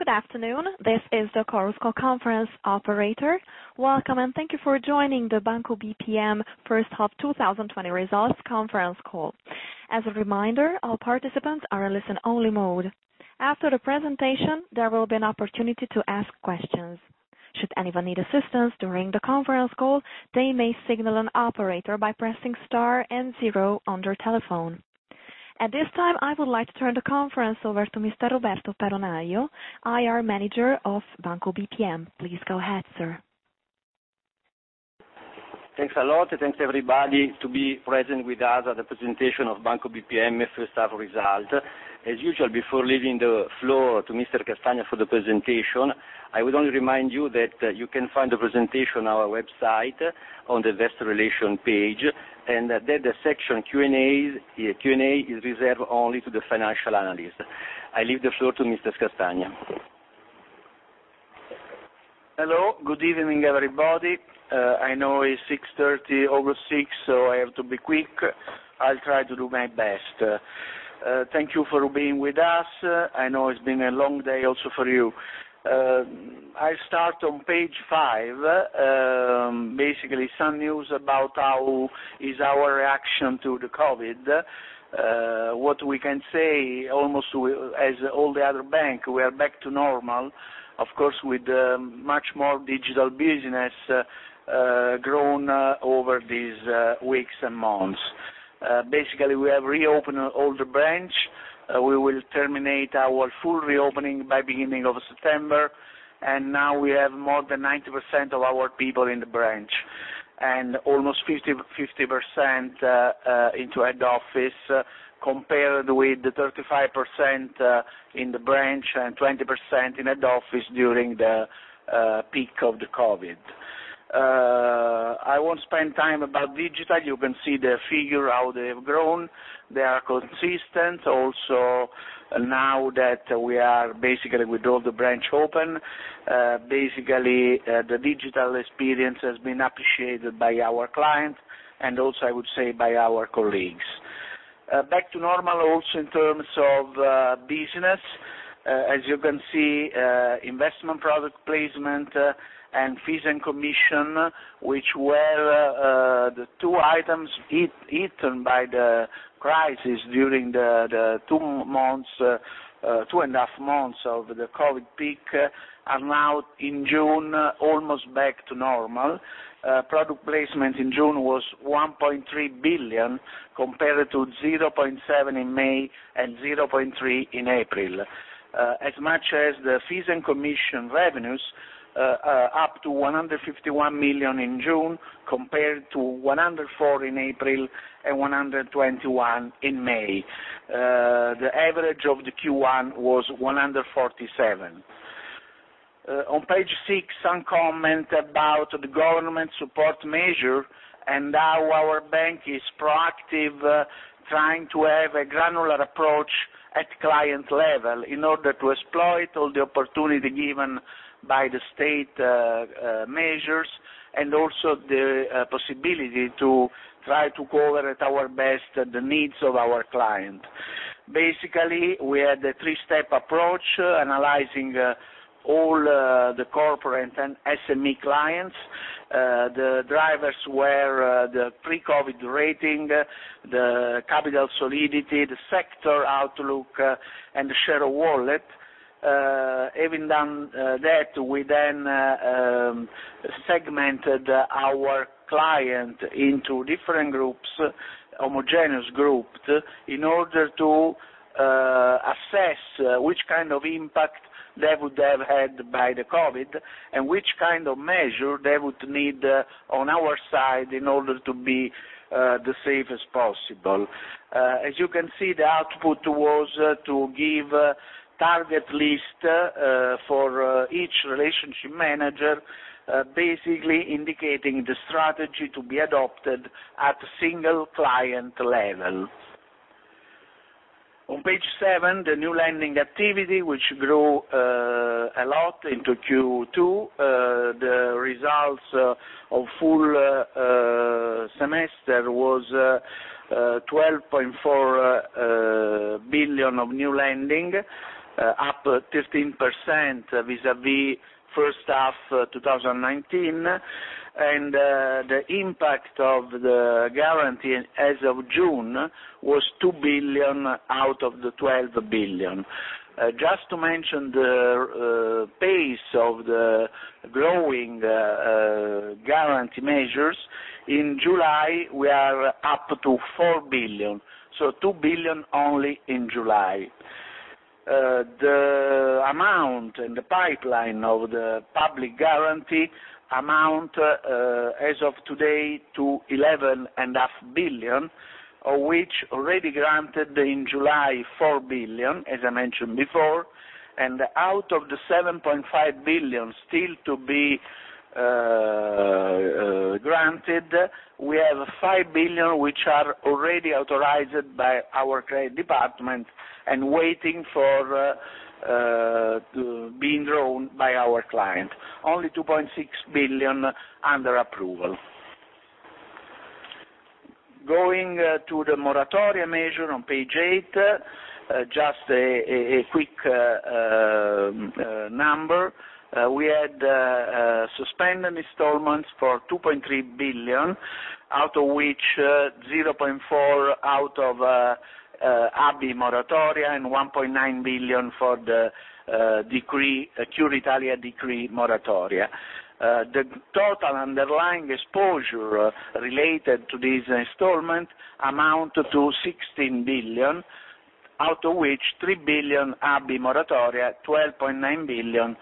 Good afternoon. This is the Chorus Call conference operator. Welcome, and thank you for joining the Banco BPM first half 2020 results conference call. As a reminder, all participants are in listen-only mode. After the presentation, there will be an opportunity to ask questions. Should anyone need assistance during the conference call, they may signal an operator by pressing star and zero on their telephone. At this time, I would like to turn the conference over to Mr. Roberto Peronaglio, IR Manager of Banco BPM. Please go ahead, sir. Thanks a lot. Thanks, everybody, to be present with us at the presentation of Banco BPM first half results. As usual, before leaving the floor to Mr. Castagna for the presentation, I would only remind you that you can find the presentation on our website on the Investor Relations page, and that the section Q&A is reserved only to the financial analysts. I leave the floor to Mr. Castagna. Hello. Good evening, everybody. I know it's 6:30, over 6:00, so I have to be quick. I'll try to do my best. Thank you for being with us. I know it's been a long day also for you. I start on page five. Some news about our reaction to the COVID. What we can say, almost as all the other banks, we are back to normal, of course, with much more digital business grown over these weeks and months. We have reopened all the branches. We will terminate our full reopening by the beginning of September, and now we have more than 90% of our people in the branch, and almost 50% into head office, compared with the 35% in the branch and 20% in head office during the peak of the COVID. I won't spend time about digital. You can see the figure, how they have grown. They are consistent. Now that we are basically with all the branches open, the digital experience has been appreciated by our clients, and also, I would say, by our colleagues. Back to normal also in terms of business. As you can see, investment product placement and fees and commission, which were the two items hit by the crisis during the two and a half months of the COVID peak, are now in June, almost back to normal. Product placement in June was 1.3 billion, compared to 0.7 in May and 0.3 in April. The fees and commission revenues are up to 151 million in June, compared to 104 in April and 121 in May. The average of the Q1 was 147. On page six, some comment about the government support measure and how our bank is proactive, trying to have a granular approach at client level in order to exploit all the opportunity given by the state measures, and also the possibility to try to cover at our best the needs of our clients. Basically, we had a three-step approach, analyzing all the corporate and SME clients. The drivers were the pre-COVID rating, the capital solidity, the sector outlook, and the share of wallet. Having done that, we then segmented our clients into different groups, homogeneous groups, in order to assess which kind of impact they would have had by the COVID and which kind of measure they would need on our side in order to be the safest possible. As you can see, the output was to give target list for each relationship manager, basically indicating the strategy to be adopted at single client level. On page seven, the new lending activity, which grew a lot into Q2. The results of full semester was 12.4 billion of new lending, up 13% vis-à-vis first half 2019. The impact of the guarantee as of June was 2 billion out of the 12 billion. Just to mention the pace of the growing guarantee measures, in July, we are up to 4 billion, so 2 billion only in July. The amount in the pipeline of the public guarantee amount as of today to 11.5 billion, of which already granted in July, 4 billion, as I mentioned before, and out of the 7.5 billion still to be granted, we have 5 billion which are already authorized by our credit department and waiting for being drawn by our clients. Only 2.6 billion under approval. Going to the moratoria measure on page 8, just a quick number. We had suspended installments for 2.3 billion, out of which 0.4 billion out of ABI moratoria and 1.9 billion for the Cura Italia decree moratoria. The total underlying exposure related to this installment amount to 16 billion, out of which 3 billion ABI moratoria, 12.9 billion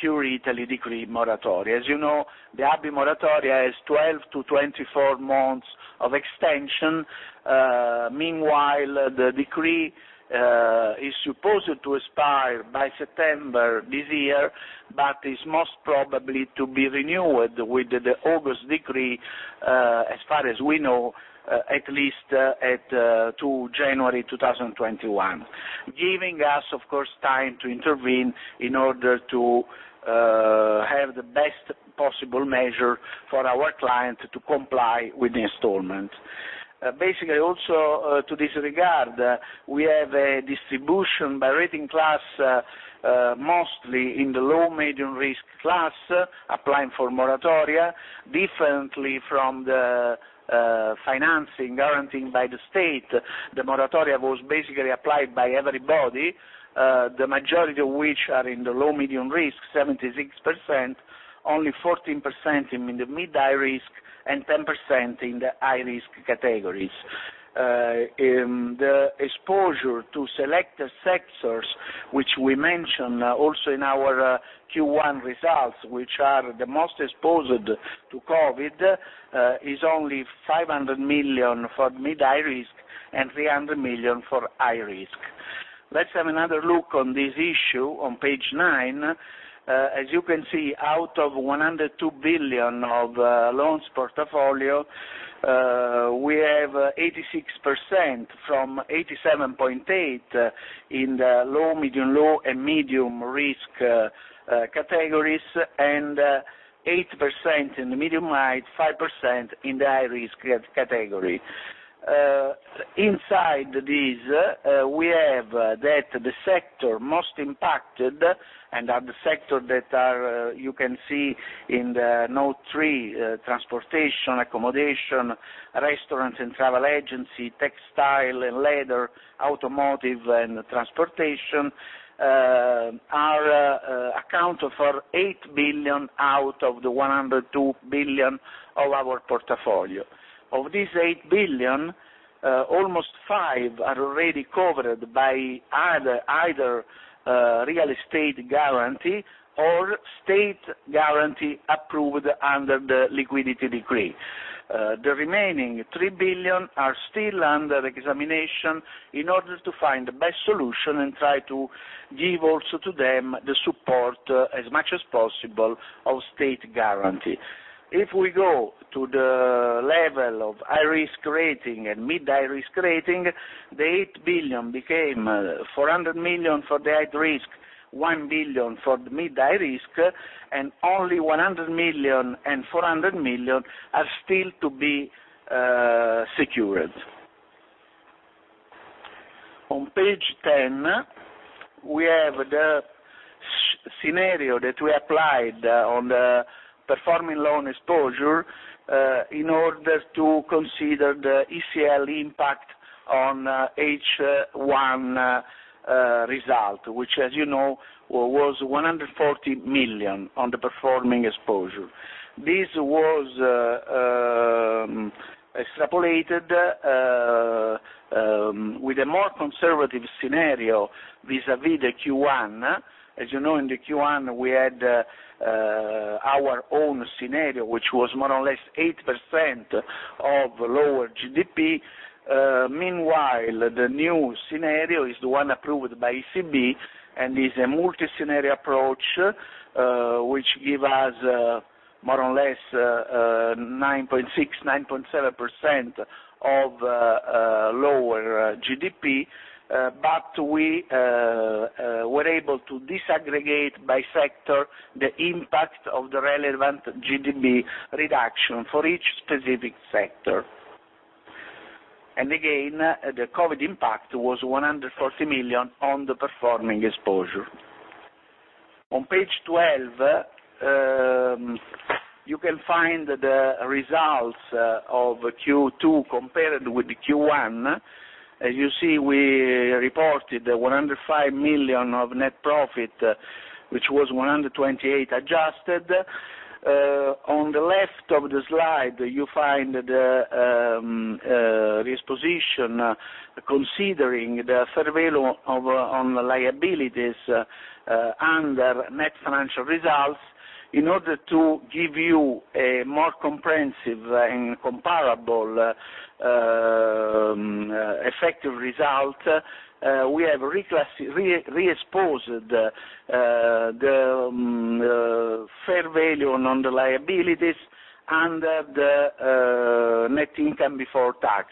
Cura Italia decree moratoria. As you know, the ABI moratoria has 12-24 months of extension. Meanwhile, the decree is supposed to expire by September this year, but is most probably to be renewed with the August decree, as far as we know, at least to January 2021, giving us, of course, time to intervene in order to have the best possible measure for our clients to comply with the installment. Basically, also to this regard, we have a distribution by rating class, mostly in the low, medium risk class, applying for moratoria. Differently from the financing guaranteed by the state, the moratoria was basically applied by everybody, the majority of which are in the low, medium risk, 76%, only 14% in the mid-high risk, and 10% in the high-risk categories. The exposure to selected sectors, which we mentioned also in our Q1 results, which are the most exposed to COVID, is only 500 million for mid-high risk and 300 million for high risk. Let's have another look on this issue on page 9. As you can see, out of 102 billion of loans portfolio, we have 86% from 87.8% in the low, medium-low, and medium risk categories, and 8% in the medium-high, 5% in the high-risk category. Inside this, we have that the sector most impacted, and are the sector that you can see in the note three, transportation, accommodation, restaurant and travel agency, textile and leather, automotive, and transportation, account for 8 billion out of the 102 billion of our portfolio. Of this 8 billion, almost 5 billion are already covered by either real estate guarantee or state guarantee approved under the liquidity decree. The remaining 3 billion are still under examination in order to find the best solution and try to give also to them the support, as much as possible, of state guarantee. If we go to the level of high-risk rating and mid-high risk rating, the 8 billion became 400 million for the high risk, 1 billion for the mid-high risk, and only 100 million and 400 million are still to be secured. On page 10, we have the scenario that we applied on the performing loan exposure, in order to consider the ECL impact on H1 result, which, as you know, was 140 million on the performing exposure. This was extrapolated with a more conservative scenario vis-à-vis the Q1. As you know, in the Q1, we had our own scenario, which was more or less 8% of lower GDP. Meanwhile, the new scenario is the one approved by ECB and is a multi-scenario approach, which give us more or less 9.6%, 9.7% of lower GDP. We were able to disaggregate by sector the impact of the relevant GDP reduction for each specific sector. Again, the COVID impact was 140 million on the performing exposure. On page 12, you can find the results of Q2 compared with Q1. As you see, we reported 105 million of net profit, which was 128 adjusted. On the left of the slide, you find the disposition considering the fair value on liabilities under net financial results. In order to give you a more comprehensive and comparable effective result, we have reexposed the fair value on the liabilities under the net income before tax.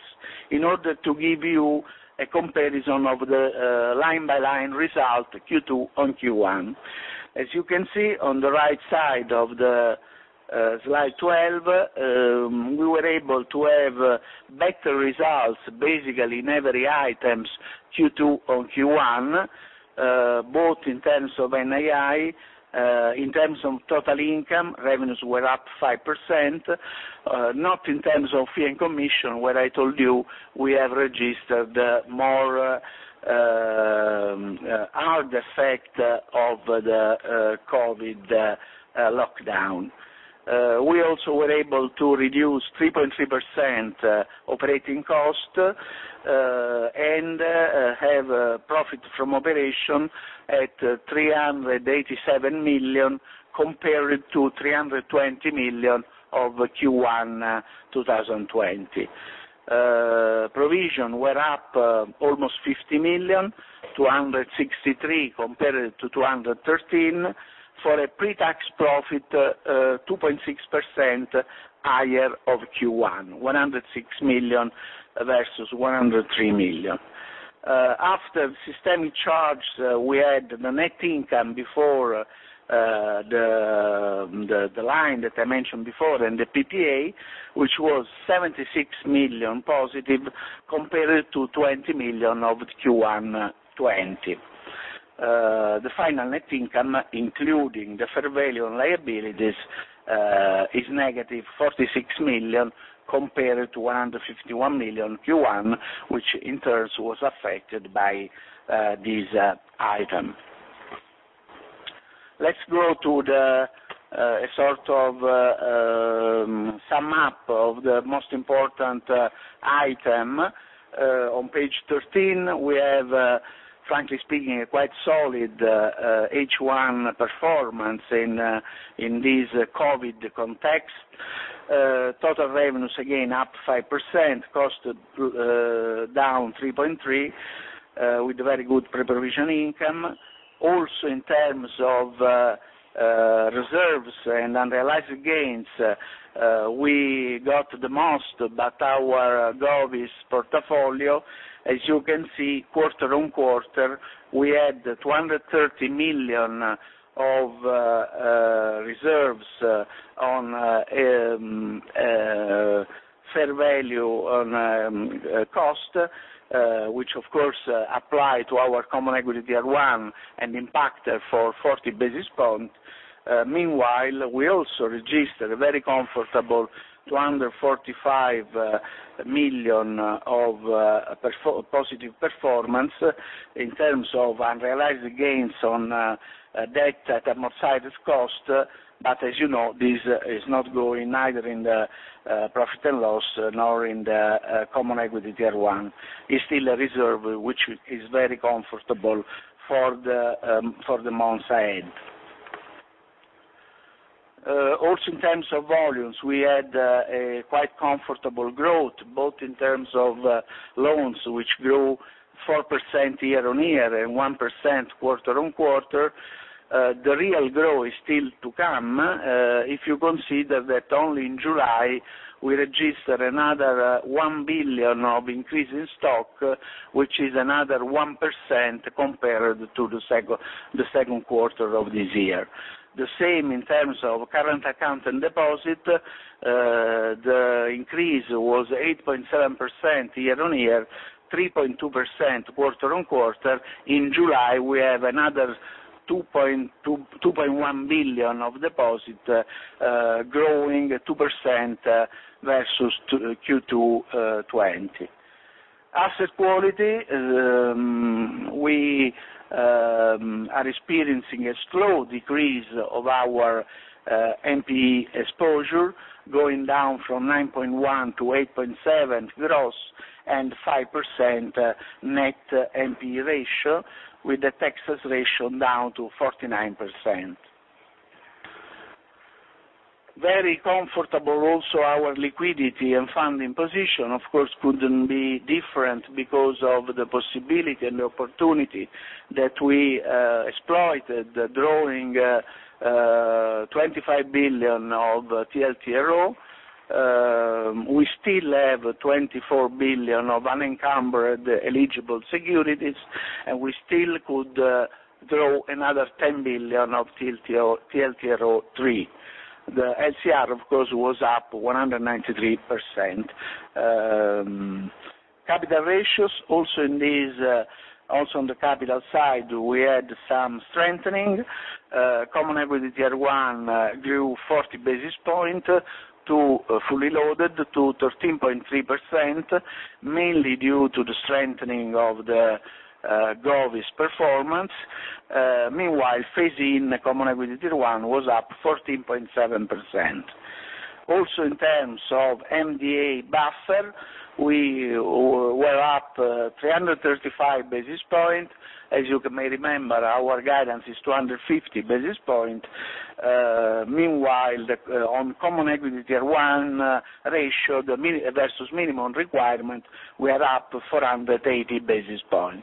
In order to give you a comparison of the line-by-line result, Q2 on Q1. As you can see on the right side of slide 12, we were able to have better results, basically in every item, Q2 on Q1, both in terms of NII, in terms of total income, revenues were up 5%. Not in terms of fee and commission, where I told you we have registered the harder effect of the COVID lockdown. We also were able to reduce 3.3% operating cost, and have profit from operation at 387 million, compared to 320 million of Q1 2020. Provision were up almost 50 million, 263 compared to 213, for a pre-tax profit 2.6% higher of Q1, 106 million versus 103 million. After systemic charge, we had the net income before the line that I mentioned before, and the PPA, which was 76 million positive compared to 20 million of Q1 2020. The final net income, including the fair value on liabilities, is negative 46 million compared to 151 million Q1, which in turn was affected by this item. Let's go to the sum up of the most importan t item. On page 13, we have, frankly speaking, a quite solid H1 performance in this COVID context. Total revenues, again, up 5%, cost down 3.3%, with very good pre-provision income. Also, in terms of reserves and unrealized gains, we got the most, but our Govies portfolio. As you can see, quarter-on-quarter, we had 230 million of reserves on fair value on cost, which of course apply to our Common Equity Tier 1 and impact for 40 basis points. Meanwhile, we also registered a very comfortable 245 million of positive performance in terms of unrealized gains on debt at amortized cost. As you know, this is not going either in the profit and loss nor in the Common Equity Tier 1. It's still a reserve, which is very comfortable for the months ahead. Also, in terms of volumes, we had a quite comfortable growth, both in terms of loans, which grew 4% year-on-year and 1% quarter-on-quarter. The real growth is still to come, if you consider that only in July, we registered another 1 billion of increase in stock, which is another 1% compared to the second quarter of this year. The same in terms of current account and deposit. The increase was 8.7% year-on-year, 3.2% quarter-on-quarter. In July, we have another 2.1 billion of deposit, growing 2% versus Q2 2020. Asset quality, we are experiencing a slow decrease of our NPE exposure, going down from 9.1% to 8.7% gross and 5% net NPE ratio, with the Texas ratio down to 49%. Very comfortable also, our liquidity and funding position, of course, couldn't be different because of the possibility and the opportunity that we exploited, drawing 25 billion of TLTRO. We still have 24 billion of unencumbered eligible securities, and we still could draw another 10 billion of TLTRO III. The LCR, of course, was up 193%. Capital ratios, also on the capital side, we had some strengthening. Common equity tier one grew 40 basis points, fully loaded to 13.3%, mainly due to the strengthening of the Govies performance. Meanwhile, phase-in common equity tier one was up 14.7%. Also, in terms of MDA buffer, we were up 335 basis points. As you may remember, our guidance is 250 basis points. Meanwhile, on common equity tier one ratio versus minimum requirement, we are up 480 basis points.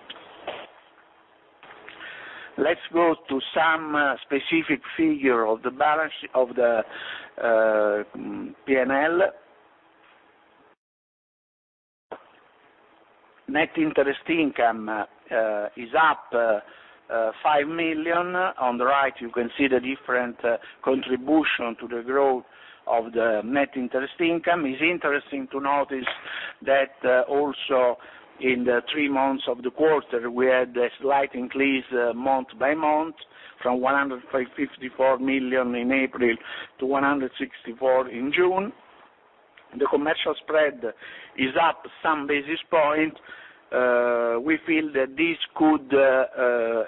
Let's go to some specific figure of the balance of the P&L. Net interest income is up 5 million. On the right, you can see the different contribution to the growth of the net interest income. It's interesting to notice that also in the three months of the quarter, we had a slight increase month by month from 154 million in April to 164 million in June. The commercial spread is up some basis points. We feel that this could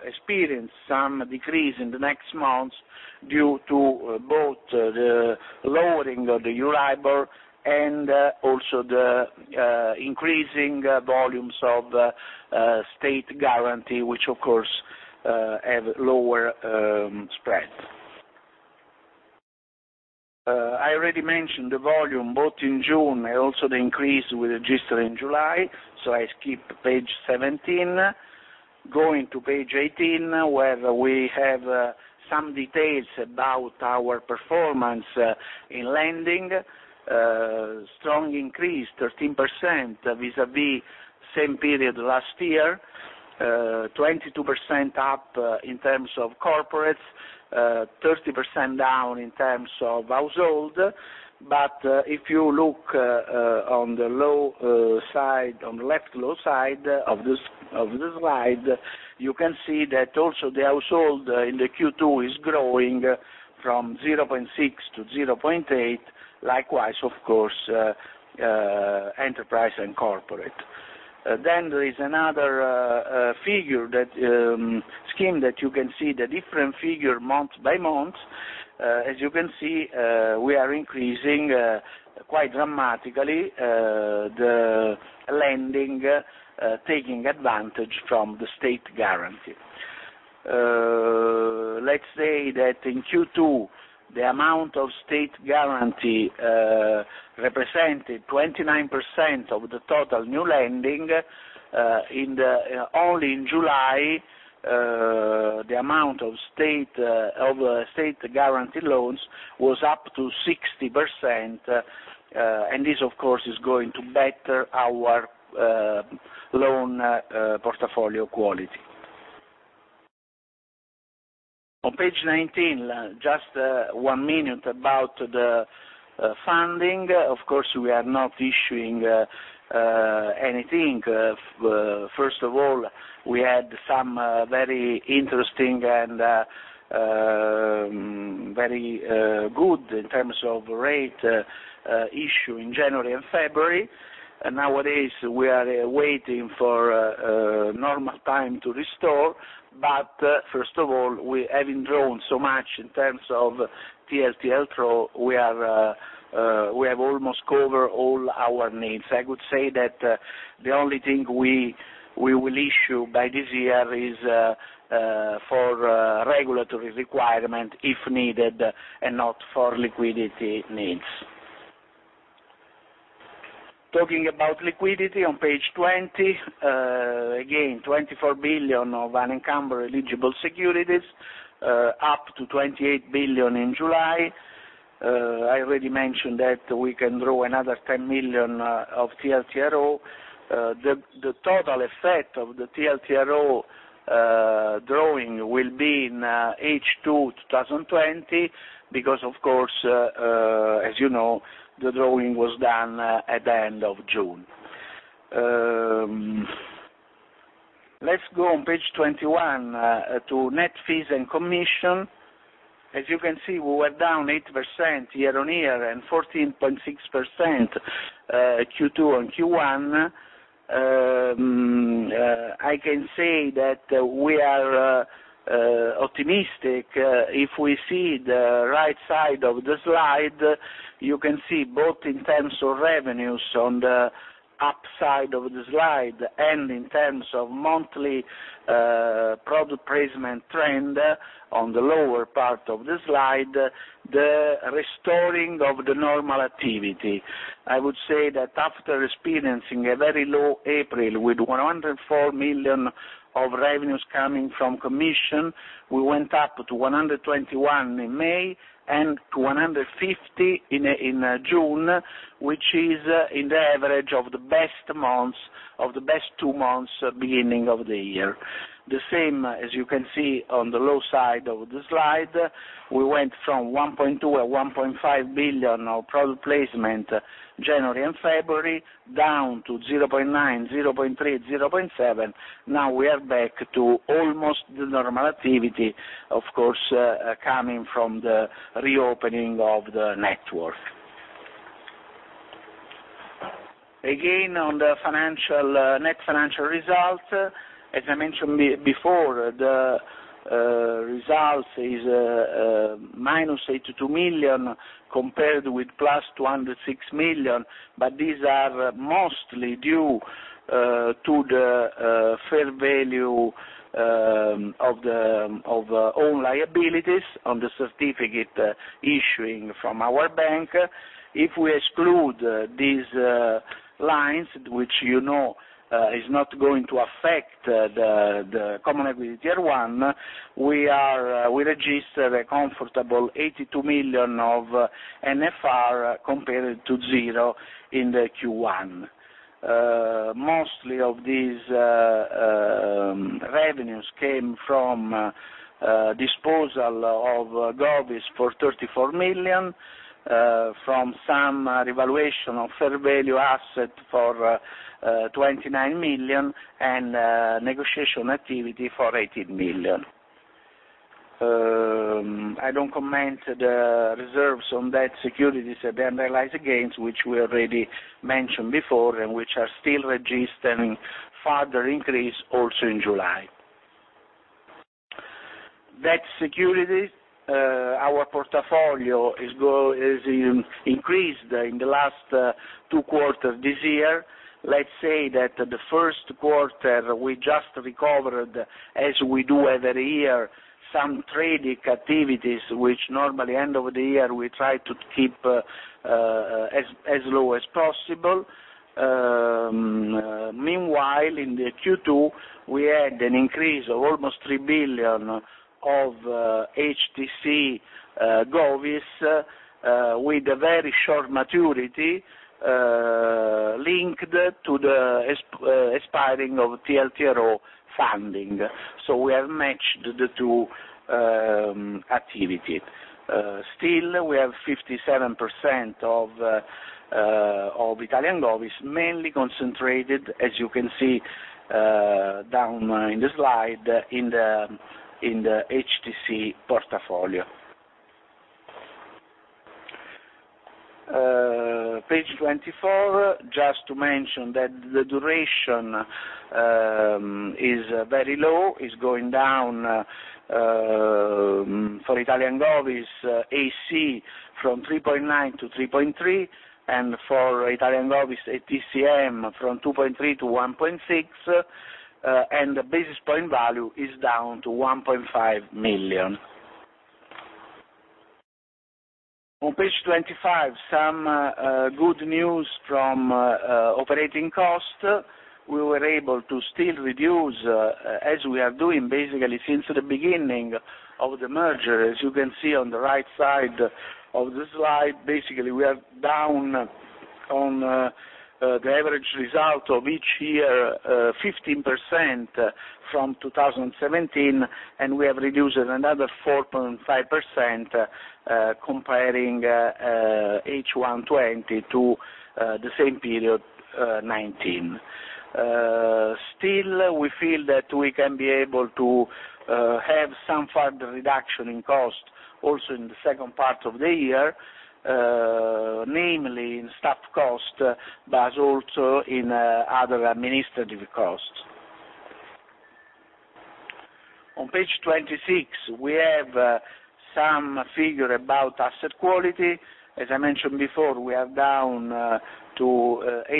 experience some decrease in the next months due to both the lowering of the Euribor and also the increasing volumes of state guarantee, which of course, have lower spreads. I already mentioned the volume, both in June and also the increase we registered in July, so I skip page 17. Going to page 18, where we have some details about our performance in lending. Strong increase, 13% vis-à-vis same period last year, 22% up in terms of corporate, 30% down in terms of household. If you look on the left lower side of the slide, you can see that also the household in the Q2 is growing from 0.6 to 0.8. Likewise, of course, enterprise and corporate. There is another figure, that scheme that you can see the different figure month by month. As you can see, we are increasing quite dramatically the lending, taking advantage from the state guarantee. Let's say that in Q2, the amount of state guarantee represented 29% of the total new lending. Only in July, the amount of state guarantee loans was up to 60%, and this, of course, is going to better our loan portfolio quality. On page 19, just one minute about the funding. Of course, we are not issuing anything. First of all, we had some very interesting and very good in terms of rate issue in January and February. Nowadays we are waiting for normal time to restore. First of all, we haven't drawn so much in terms of TLTRO. We have almost covered all our needs. I would say that the only thing we will issue by this year is for regulatory requirement if needed, and not for liquidity needs. Talking about liquidity on page 20. Again, 24 billion of unencumbered eligible securities, up to 28 billion in July. I already mentioned that we can draw another 10 million of TLTRO. The total effect of the TLTRO drawing will be in H2 2020 because, of course, as you know, the drawing was done at the end of June. Let's go on page 21 to net fees and commission. As you can see, we were down 8% year-on-year and 14.6% Q2 on Q1. I can say that we are optimistic. If we see the right side of the slide, you can see both in terms of revenues on the upside of the slide and in terms of monthly product placement trend on the lower part of the slide, the restoring of the normal activity. I would say that after experiencing a very low April with 104 million of revenues coming from commission, we went up to 121 in May and to 150 in June, which is in the average of the best two months beginning of the year. The same, as you can see on the low side of the slide, we went from 1.2 billion, 1.5 billion of product placement January and February, down to 0.9, 0.3, 0.7. Now we are back to almost the normal activity, of course, coming from the reopening of the network. Again, on the net financial result, as I mentioned before, the result is -82 million compared with +206 million. These are mostly due to the fair value of own liabilities on the certificate issuing from our bank. If we exclude these lines, which you know is not going to affect the common equity Tier 1. We registered a comfortable 82 million of NFR compared to zero in the Q1. Most of these revenues came from disposal of GovBs for 34 million, from some revaluation of fair value asset for 29 million, and negotiation activity for 18 million. I don't comment the reserves on debt securities and unrealized gains, which we already mentioned before, and which are still registering further increase also in July. Debt security, our portfolio has increased in the last two quarters this year. Let's say that the first quarter, we just recovered, as we do every year, some trading activities, which normally end of the year, we try to keep as low as possible. Meanwhile, in the Q2, we had an increase of almost 3 billion of HTC GovBs with a very short maturity, linked to the expiring of TLTRO funding. We have matched the two activities. Still, we have 57% of Italian GovBs mainly concentrated, as you can see down in the slide, in the HTC portfolio. Page 24, just to mention that the duration is very low, is going down for Italian GovBs AC from 3.9 to 3.3, and for Italian GovBs HTCM from 2.3 to 1.6, and the basis point value is down to 1.5 million. On page 25, some good news from operating cost. We were able to still reduce, as we are doing basically since the beginning of the merger, as you can see on the right side of the slide, basically we are down on the average result of each year, 15% from 2017, and we have reduced another 4.5% comparing H1 '20 to the same period '19. Still, we feel that we can be able to have some further reduction in cost also in the second part of the year, namely in staff cost, but also in other administrative costs. On page 26, we have some figure about asset quality. As I mentioned before, we are down to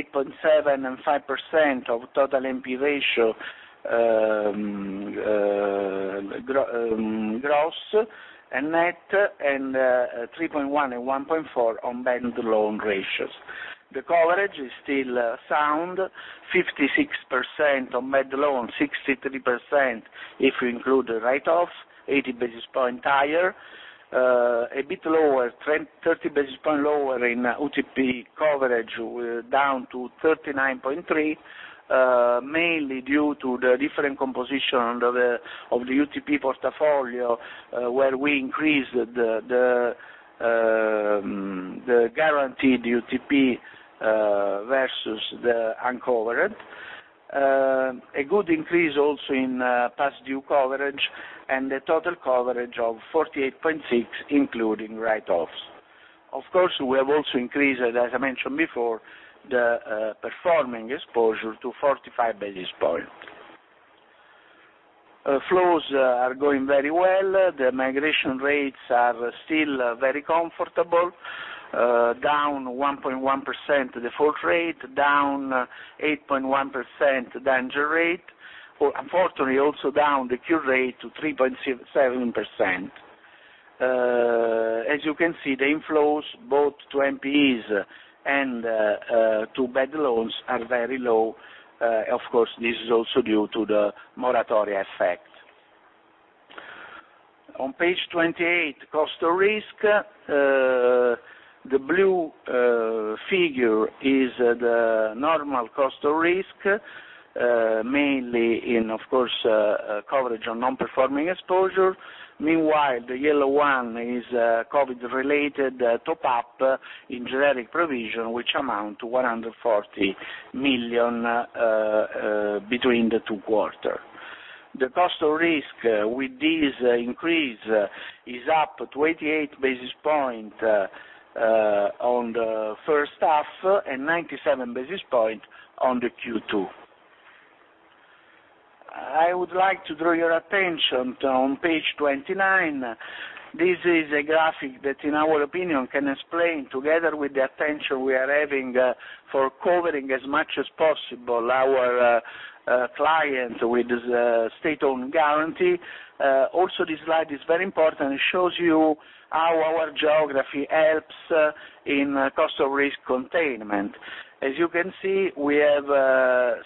8.75% of total NPE ratio, gross and net, and 3.1 and 1.4 on bad loan ratios. The coverage is still sound, 56% on bad loan, 63% if you include the write-offs, 80 basis point higher. A bit lower, 30 basis point lower in UTP coverage, down to 39.3, mainly due to the different composition of the UTP portfolio, where we increased the guaranteed UTP versus the uncovered. A good increase also in past due coverage and the total coverage of 48.6, including write-offs. Of course, we have also increased, as I mentioned before, the performing exposure to 45 basis point. Flows are going very well. The migration rates are still very comfortable, down 1.1% default rate, down 8.1% deterioration rate. Unfortunately, also down the cure rate to 3.7%. As you can see, the inflows both to NPEs and to bad loans are very low. Of course, this is also due to the moratoria effect. On page 28, cost of risk. The blue figure is the normal cost of risk, mainly in, of course, coverage on non-performing exposure. Meanwhile, the yellow one is COVID-related top up in generic provision, which amount to 140 million between the two quarter. The cost of risk with this increase is up 28 basis point on the first half and 97 basis point on the Q2. I would like to draw your attention on page 29. This is a graphic that, in our opinion, can explain together with the attention we are having for covering as much as possible our clients with state-owned guarantee. Also, this slide is very important. It shows you how our geography helps in cost of risk containment. As you can see, we have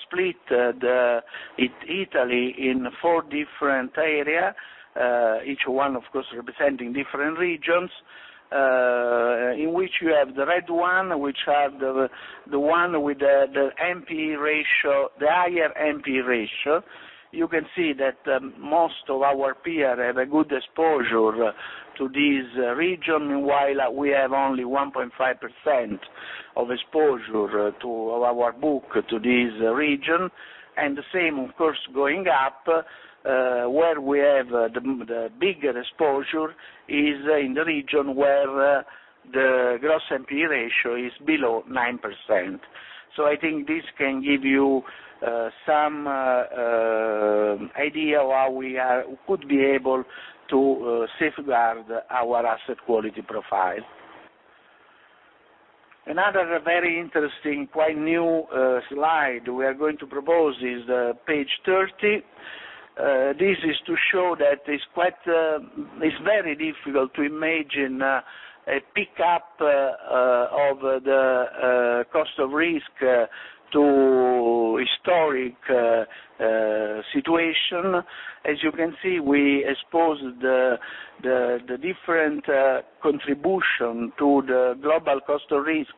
split Italy in 4 different areas, each one, of course, representing different regions, in which you have the red one, which are the one with the higher NPE ratio. You can see that most of our peers have a good exposure to this region, while we have only 1.5% of exposure of our book to this region. The same, of course, going up, where we have the bigger exposure is in the region where the gross NPE ratio is below 9%. I think this can give you some idea why we could be able to safeguard our asset quality profile. Another very interesting, quite new slide we are going to propose is page 30. This is to show that it's very difficult to imagine a pick-up of the cost of risk to historic situation. As you can see, we exposed the different contribution to the global cost of risk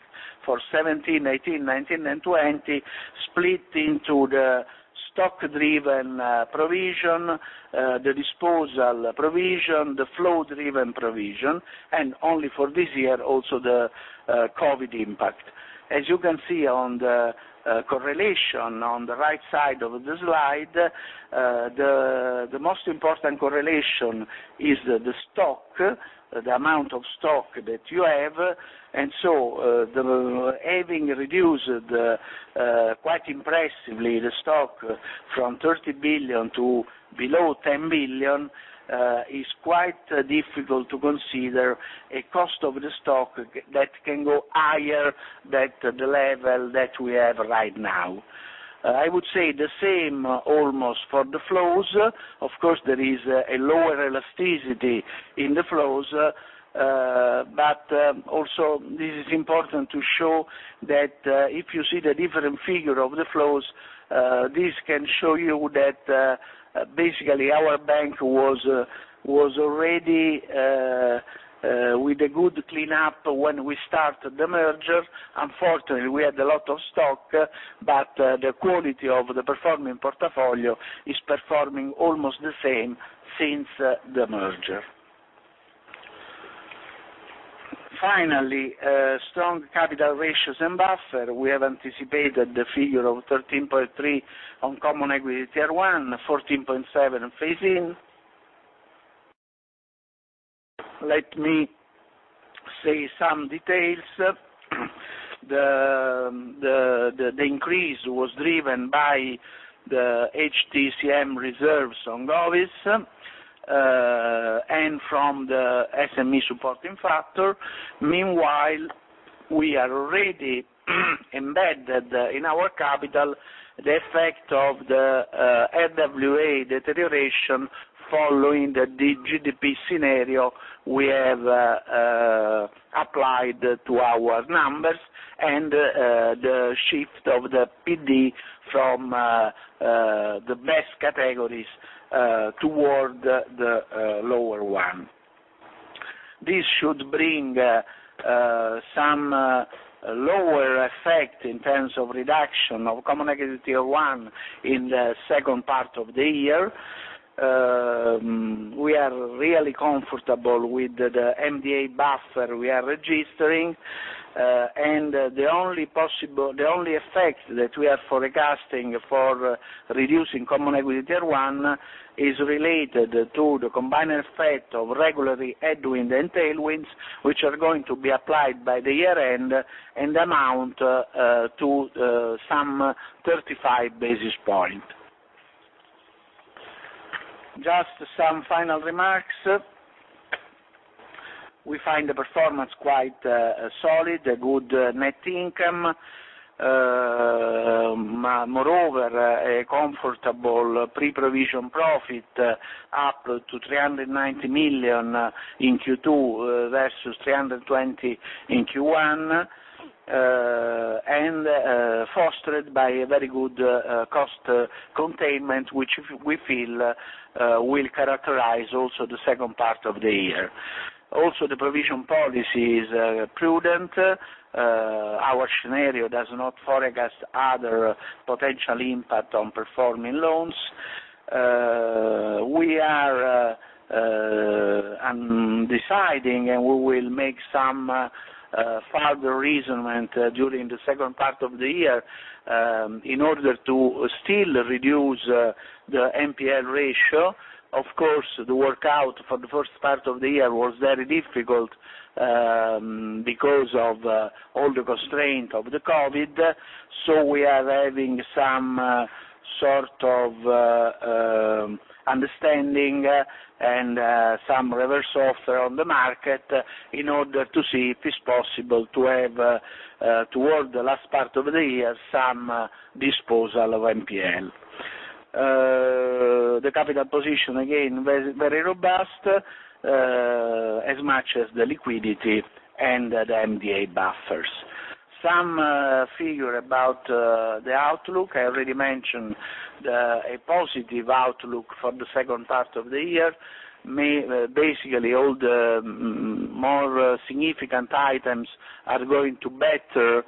for 2017, 2018, 2019, and 2020, split into the stock-driven provision, the disposal provision, the flow-driven provision, and only for this year, also the COVID impact. As you can see on the correlation on the right side of the slide, the most important correlation is the stock, the amount of stock that you have. Having reduced quite impressively the stock from 30 billion to below 10 billion, is quite difficult to consider a cost of the stock that can go higher than the level that we have right now. I would say the same almost for the flows. Of course, there is a lower elasticity in the flows, but also this is important to show that if you see the different figure of the flows, this can show you that basically our bank was already with a good cleanup when we start the merger. Unfortunately, we had a lot of stock, but the quality of the performing portfolio is performing almost the same since the merger. Finally, strong capital ratios and buffer. We have anticipated the figure of 13.3 on common equity Tier 1, 14.7 phase in. Let me say some details. The increase was driven by the HTCS reserves on GOVs, and from the SME supporting factor. Meanwhile, we already embedded in our capital the effect of the RWA deterioration following the GDP scenario we have applied to our numbers, and the shift of the PD from the best categories toward the lower one. This should bring some lower effect in terms of reduction of common equity Tier 1 in the second part of the year. We are really comfortable with the MDA buffer we are registering. The only effect that we are forecasting for reducing common equity Tier 1 is related to the combined effect of regulatory headwind and tailwinds, which are going to be applied by the year-end and amount to some 35 basis points. Just some final remarks. We find the performance quite solid, a good net income. Moreover, a comfortable pre-provision profit up to 390 million in Q2 versus 320 million in Q1, and fostered by a very good cost containment, which we feel will characterize also the second part of the year. Also, the provision policy is prudent. Our scenario does not forecast other potential impact on performing loans. We are deciding, and we will make some further reason during the second part of the year, in order to still reduce the NPL ratio. Of course, the workout for the first part of the year was very difficult because of all the constraint of the COVID. We are having some sort of understanding and some reverse offer on the market in order to see if it's possible to have, toward the last part of the year, some disposal of NPL. The capital position, again, very robust, as much as the liquidity and the MDA buffers. Some figure about the outlook. I already mentioned a positive outlook for the second part of the year. Basically, all the more significant items are going to better,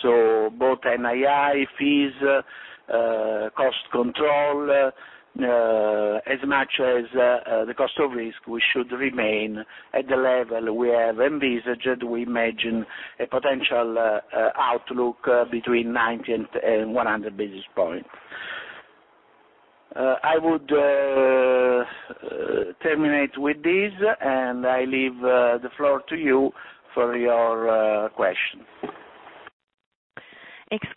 so both NII fees, cost control, as much as the cost of risk, we should remain at the level we have envisaged. We imagine a potential outlook between 90 and 100 basis points. I would terminate with this, and I leave the floor to you for your question. The first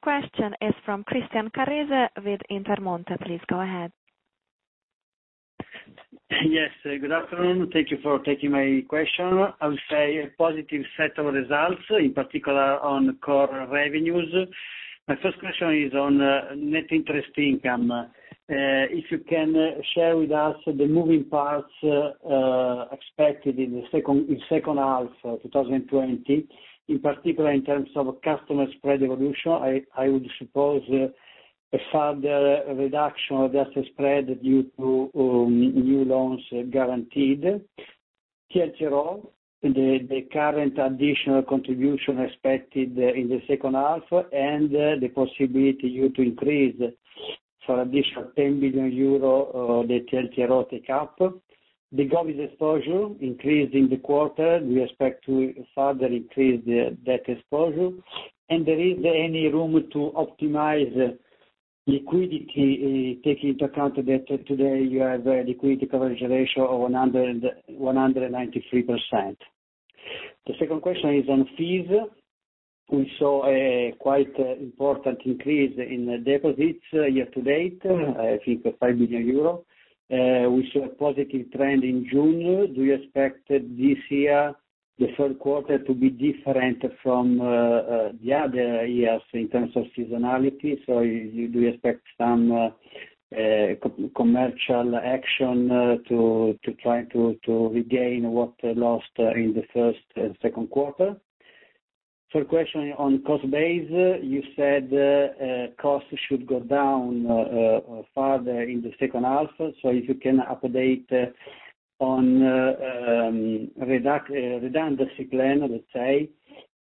question is from Christian Carrese with Intermonte. Please go ahead. Yes. Good afternoon. Thank you for taking my question. I would say a positive set of results, in particular on core revenues. My first question is on net interest income. If you can share with us the moving parts expected in second half 2020, in particular, in terms of customer spread evolution, I would suppose a further reduction of that spread due to new loans guaranteed. TLTRO, the current additional contribution expected in the second half, and the possibility you to increase for additional 10 billion euro the TLTRO take up. The government exposure increased in the quarter. Do you expect to further increase the debt exposure? Is there any room to optimize liquidity, taking into account that today you have a liquidity coverage ratio of 193%? The second question is on fees. We saw a quite important increase in deposits year to date, I think 5 billion euros. We saw a positive trend in June. Do you expect this year, the third quarter, to be different from the other years in terms of seasonality? Do you expect some commercial action to try to regain what was lost in the first and second quarter? Third question on cost base. You said costs should go down further in the second half, so if you can update on redundancy plan, let's say,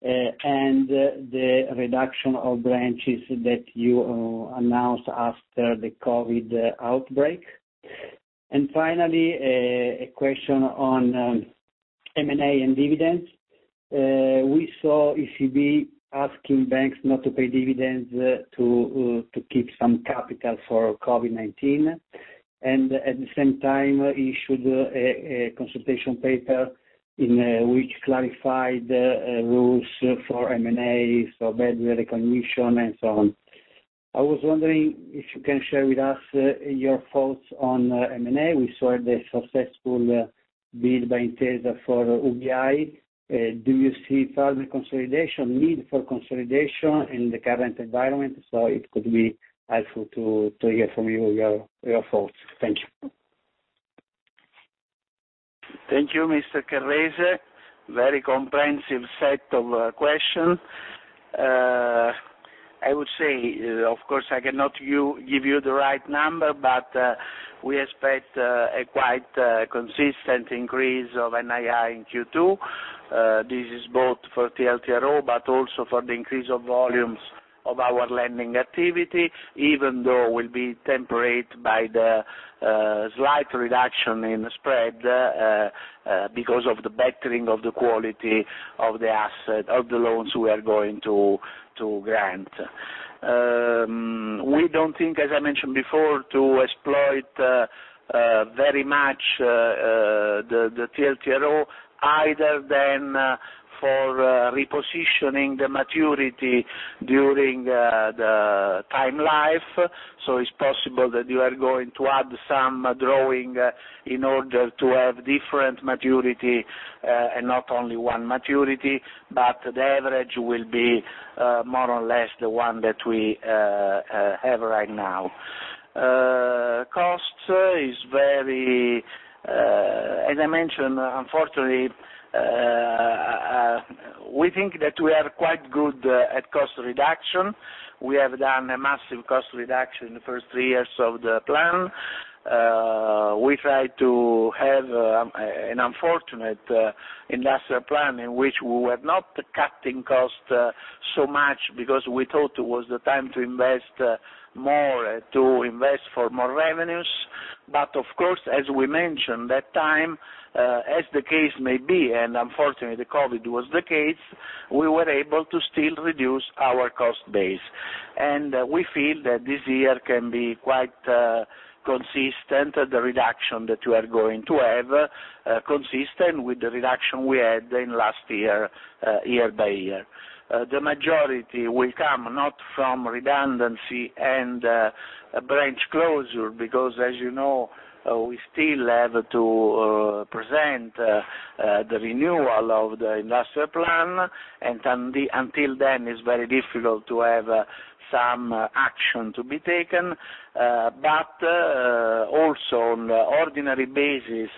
and the reduction of branches that you announced after the COVID outbreak. Finally, a question on M&A and dividends. We saw ECB asking banks not to pay dividends to keep some capital for COVID-19, and at the same time, issued a consultation paper in which clarified rules for M&A, for bad recognition, and so on. I was wondering if you can share with us your thoughts on M&A. We saw the successful bid by Intesa for UBI. Do you see further consolidation, need for consolidation in the current environment? It could be helpful to hear from you your thoughts. Thank you. Thank you, Mr. Carrese. Very comprehensive set of questions. I would say, of course, I cannot give you the right number, we expect a quite consistent increase of NII in Q2. This is both for TLTRO, but also for the increase of volumes of our lending activity, even though will be tempered by the slight reduction in spread because of the bettering of the quality of the asset, of the loans we are going to grant. We don't think, as I mentioned before, to exploit very much the TLTRO other than for repositioning the maturity during the lifetime. It's possible that you are going to add some drawing in order to have different maturity, and not only one maturity, but the average will be more or less the one that we have right now. Cost, as I mentioned, unfortunately, we think that we are quite good at cost reduction. We have done a massive cost reduction the first three years of the plan. We try to have an unfortunate industrial plan in which we were not cutting costs so much because we thought it was the time to invest more, to invest for more revenues. Of course, as we mentioned, that time, as the case may be, and unfortunately, the COVID was the case, we were able to still reduce our cost base. We feel that this year can be quite consistent, the reduction that you are going to have, consistent with the reduction we had in last year by year. The majority will come not from redundancy and branch closure, because as you know, we still have to present the renewal of the industrial plan, until then, it's very difficult to have some action to be taken. Also, on ordinary basis,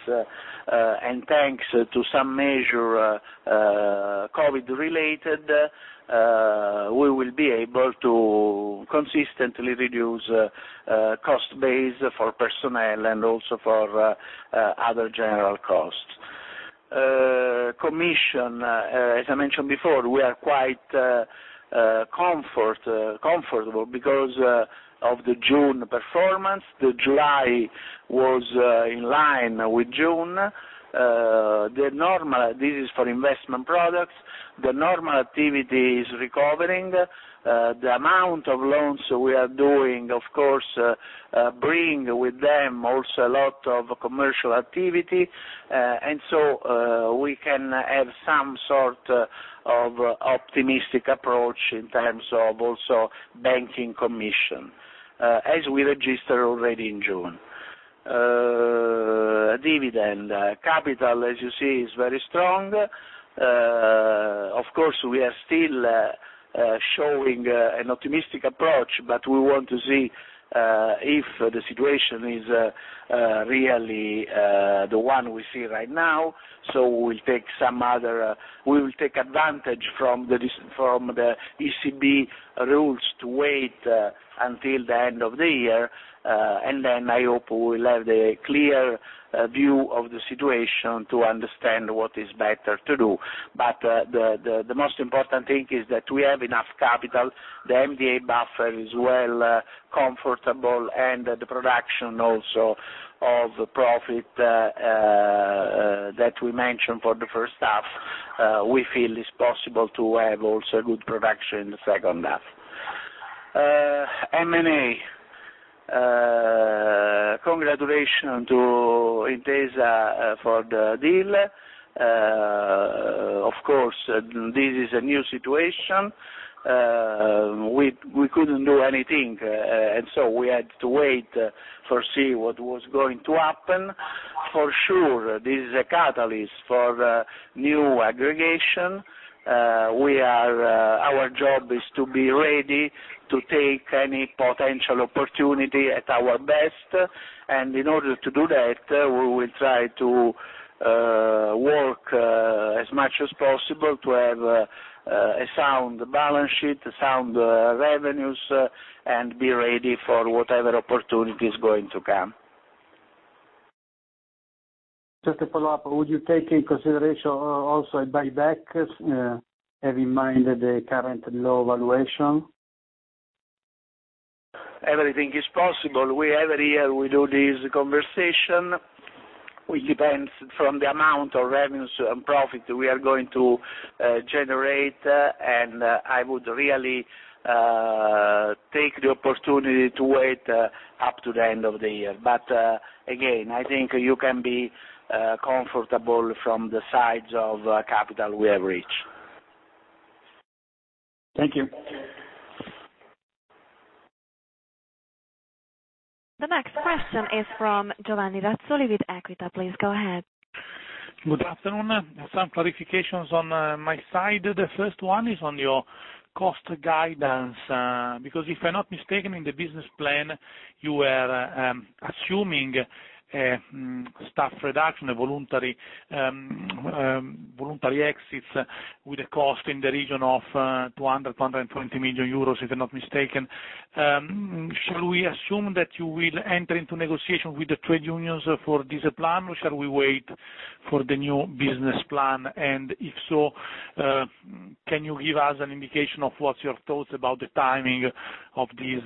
and thanks to some measure COVID-related, we will be able to consistently reduce cost base for personnel and also for other general costs. Commission, as I mentioned before, we are quite comfortable because of the June performance. The July was in line with June. This is for investment products. The normal activity is recovering. The amount of loans we are doing, of course, bring with them also a lot of commercial activity, and so we can have some sort of optimistic approach in terms of also banking commission, as we registered already in June. Dividend. Capital, as you see, is very strong. Of course, we are still showing an optimistic approach. We want to see if the situation is really the one we see right now. We will take advantage from the ECB rules to wait until the end of the year. I hope we will have a clear view of the situation to understand what is better to do. The most important thing is that we have enough capital. The MDA buffer is well comfortable. The production also of profit that we mentioned for the first half, we feel is possible to have also good production in the second half. M&A. Congratulations to Intesa for the deal. Of course, this is a new situation. We couldn't do anything. We had to wait, foresee what was going to happen. For sure, this is a catalyst for new aggregation. Our job is to be ready to take any potential opportunity at our best. In order to do that, we will try to work as much as possible to have a sound balance sheet, sound revenues, and be ready for whatever opportunity is going to come. Just to follow up, would you take in consideration also a buyback, have in mind the current low valuation? Everything is possible. Every year we do this conversation, which depends from the amount of revenues and profit we are going to generate. I would really take the opportunity to wait up to the end of the year. Again, I think you can be comfortable from the size of capital we have reached. Thank you. The next question is from Giovanni Razzoli with Equita. Please go ahead. Good afternoon. Some clarifications on my side. The first one is on your cost guidance. If I'm not mistaken, in the business plan, you were assuming staff reduction, voluntary exits with a cost in the region of 200 million-220 million euros, if I'm not mistaken. Shall we assume that you will enter into negotiation with the trade unions for this plan, or shall we wait for the new business plan? If so, can you give us an indication of what's your thoughts about the timing of this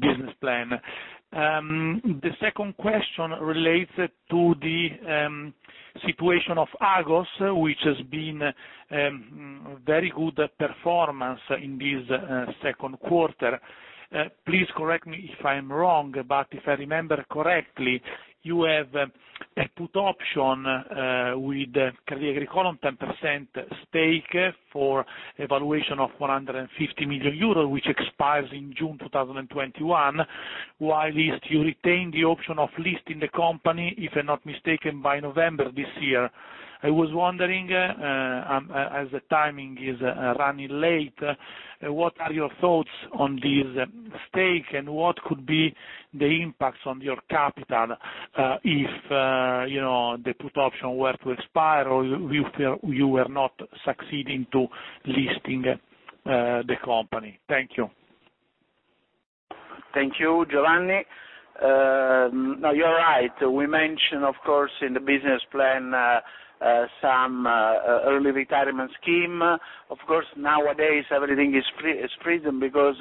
business plan? The second question relates to the situation of Agos, which has been very good performance in this second quarter. Please correct me if I'm wrong, but if I remember correctly, you have a put option with Crédit Agricole on 10% stake for evaluation of 450 million euros, which expires in June 2021, whilst you retain the option of listing the company, if I'm not mistaken, by November this year. I was wondering, as the timing is running late, what are your thoughts on this stake and what could be the impacts on your capital if the put option were to expire or if you were not succeeding to listing the company? Thank you. Thank you, Giovanni. You're right. We mentioned, of course, in the business plan, some early retirement scheme. Nowadays, everything is frozen because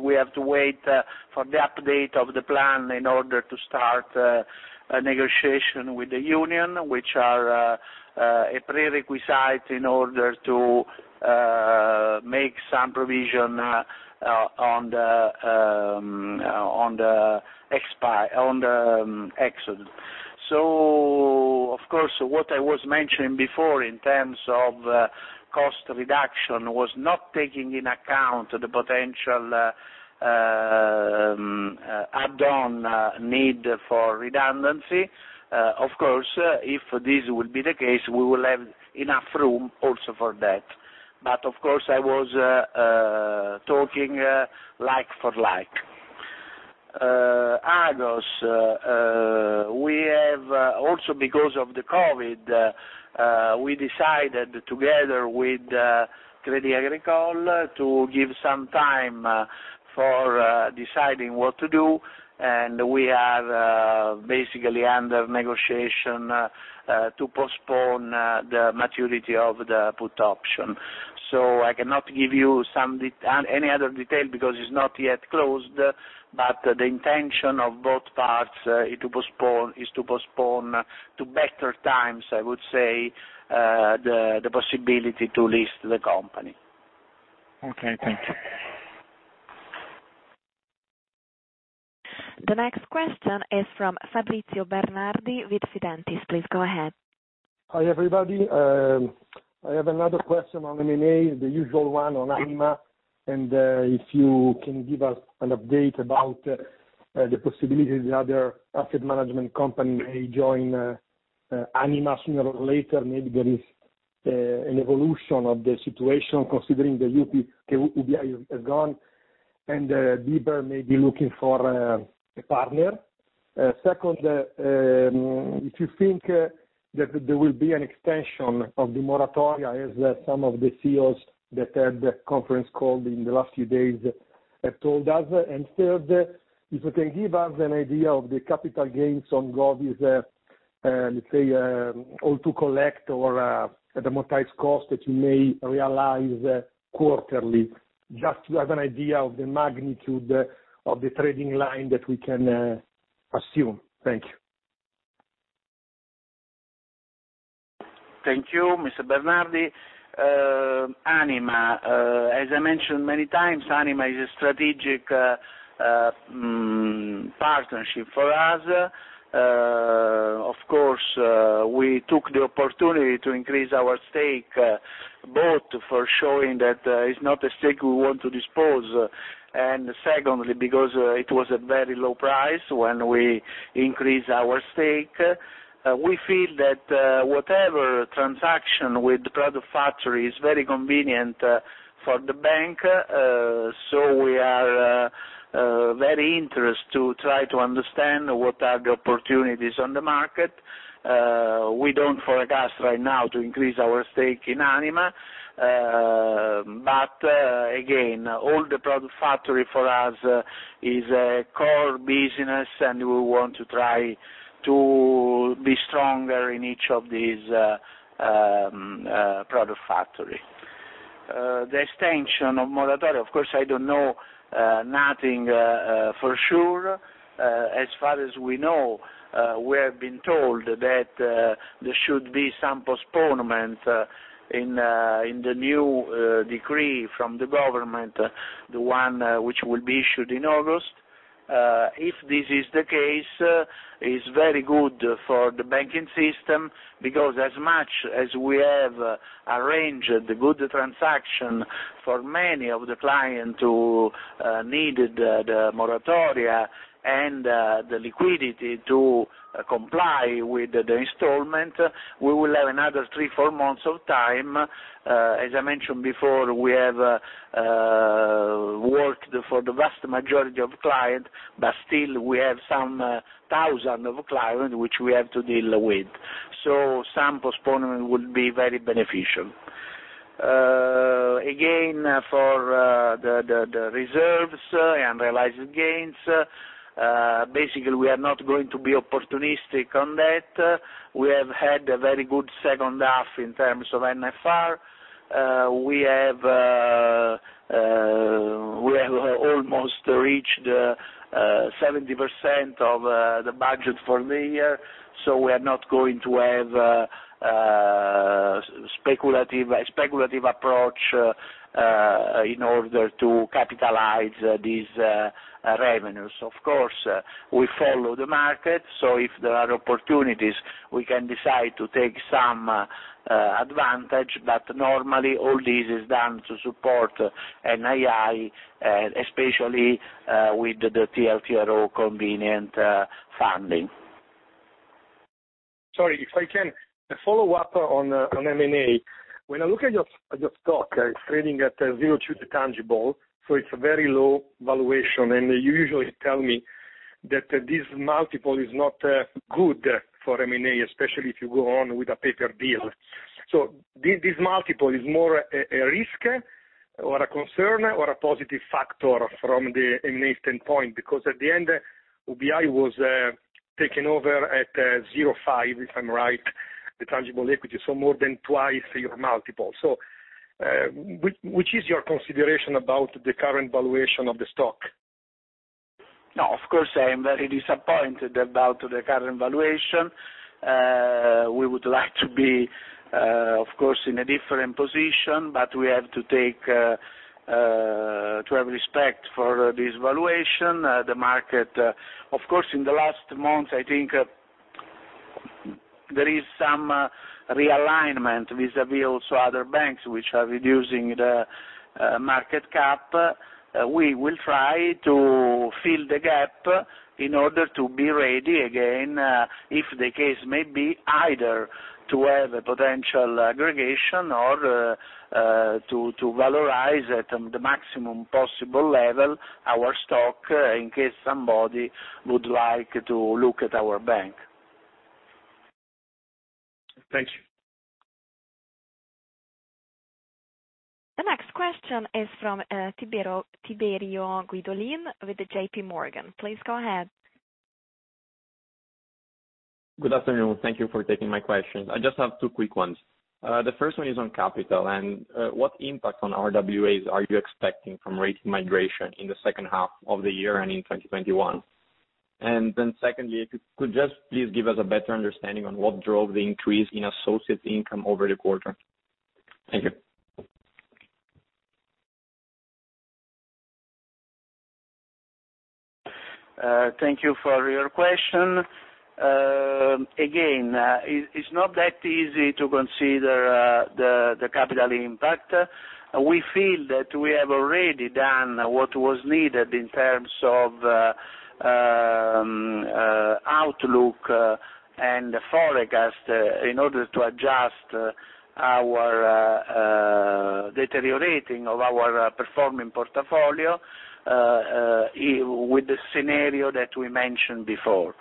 we have to wait for the update of the plan in order to start a negotiation with the union, which are a prerequisite in order to make some provision on the exit. What I was mentioning before in terms of cost reduction was not taking into account the potential add-on need for redundancy. If this would be the case, we will have enough room also for that. I was talking like for like. Agos, also because of the COVID, we decided together with Crédit Agricole to give some time for deciding what to do, and we are basically under negotiation to postpone the maturity of the put option. I cannot give you any other detail because it's not yet closed. The intention of both parts is to postpone to better times, I would say, the possibility to list the company. Okay, thank you. The next question is from Fabrizio Bernardi with Fidentiis. Please go ahead. Hi, everybody. I have another question on M&A, the usual one on Anima. If you can give us an update about the possibility the other asset management company may join Anima sooner or later. Maybe there is an evolution of the situation considering the UBI is gone, and BPER may be looking for a partner. Second, if you think that there will be an extension of the moratoria, as some of the CEOs that had the conference call in the last few days have told us. Third, if you can give us an idea of the capital gains on Gov, let's say, or to collect or the amortized cost that you may realize quarterly, just to have an idea of the magnitude of the trading line that we can assume. Thank you. Thank you, Mr. Bernardi. Anima, as I mentioned many times, Anima is a strategic partnership for us. Of course, we took the opportunity to increase our stake, both for showing that it's not a stake we want to dispose. Secondly, because it was a very low price when we increased our stake. We feel that whatever transaction with product factory is very convenient for the bank. We are very interested to try to understand what are the opportunities on the market. We don't forecast right now to increase our stake in Anima. Again, all the product factory for us is a core business, and we want to try to be stronger in each of these product factory. The extension of moratoria, of course, I don't know nothing for sure. As far as we know, we have been told that there should be some postponement in the new decree from the government, the one which will be issued in August. If this is the case, it's very good for the banking system because as much as we have arranged the good transaction for many of the clients who needed the moratoria and the liquidity to comply with the installment, we will have another three, four months of time. As I mentioned before, we have worked for the vast majority of clients, but still we have some thousands of clients which we have to deal with. Some postponement would be very beneficial. Again, for the reserves and realized gains, basically, we are not going to be opportunistic on that. We have had a very good second half in terms of NFR. We have almost reached 70% of the budget for the year, so we are not going to have a speculative approach in order to capitalize these revenues. Of course, we follow the market, so if there are opportunities, we can decide to take some advantage. Normally, all this is done to support NII, especially with the TLTRO convenient funding. Sorry, if I can follow up on M&A. When I look at your stock, it's trading at 0.2x tangible, so it's a very low valuation. You usually tell me that this multiple is not good for M&A, especially if you go on with a paper deal. This multiple is more a risk or a concern or a positive factor from the M&A standpoint? Because at the end, UBI was taken over at 0.5x, if I'm right, the tangible equity, so more than twice your multiple. Which is your consideration about the current valuation of the stock? Of course, I am very disappointed about the current valuation. We would like to be, of course, in a different position, but we have to have respect for this valuation. Of course, in the last months, I think there is some realignment vis-a-vis also other banks, which are reducing the market cap. We will try to fill the gap in order to be ready again, if the case may be, either to have a potential aggregation or to valorize at the maximum possible level our stock, in case somebody would like to look at our bank. Thank you. The next question is from Tiberio Guidolin with JP Morgan. Please go ahead. Good afternoon. Thank you for taking my questions. I just have two quick ones. The first one is on capital and what impact on RWAs are you expecting from rate migration in the second half of the year and in 2021? Then secondly, if you could just please give us a better understanding on what drove the increase in associate income over the quarter. Thank you. Thank you for your question. It's not that easy to consider the capital impact. We feel that we have already done what was needed in terms of outlook and forecast in order to adjust the deteriorating of our performing portfolio, with the scenario that we mentioned before.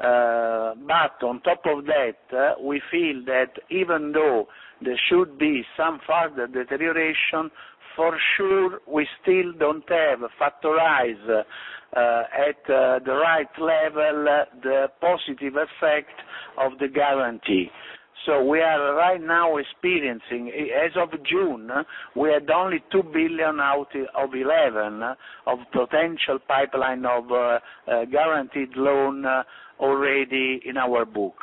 On top of that, we feel that even though there should be some further deterioration, for sure, we still don't have factorized at the right level the positive effect of the guarantee. We are right now experiencing, as of June, we had only 2 billion out of 11 billion of potential pipeline of guaranteed loan already in our book.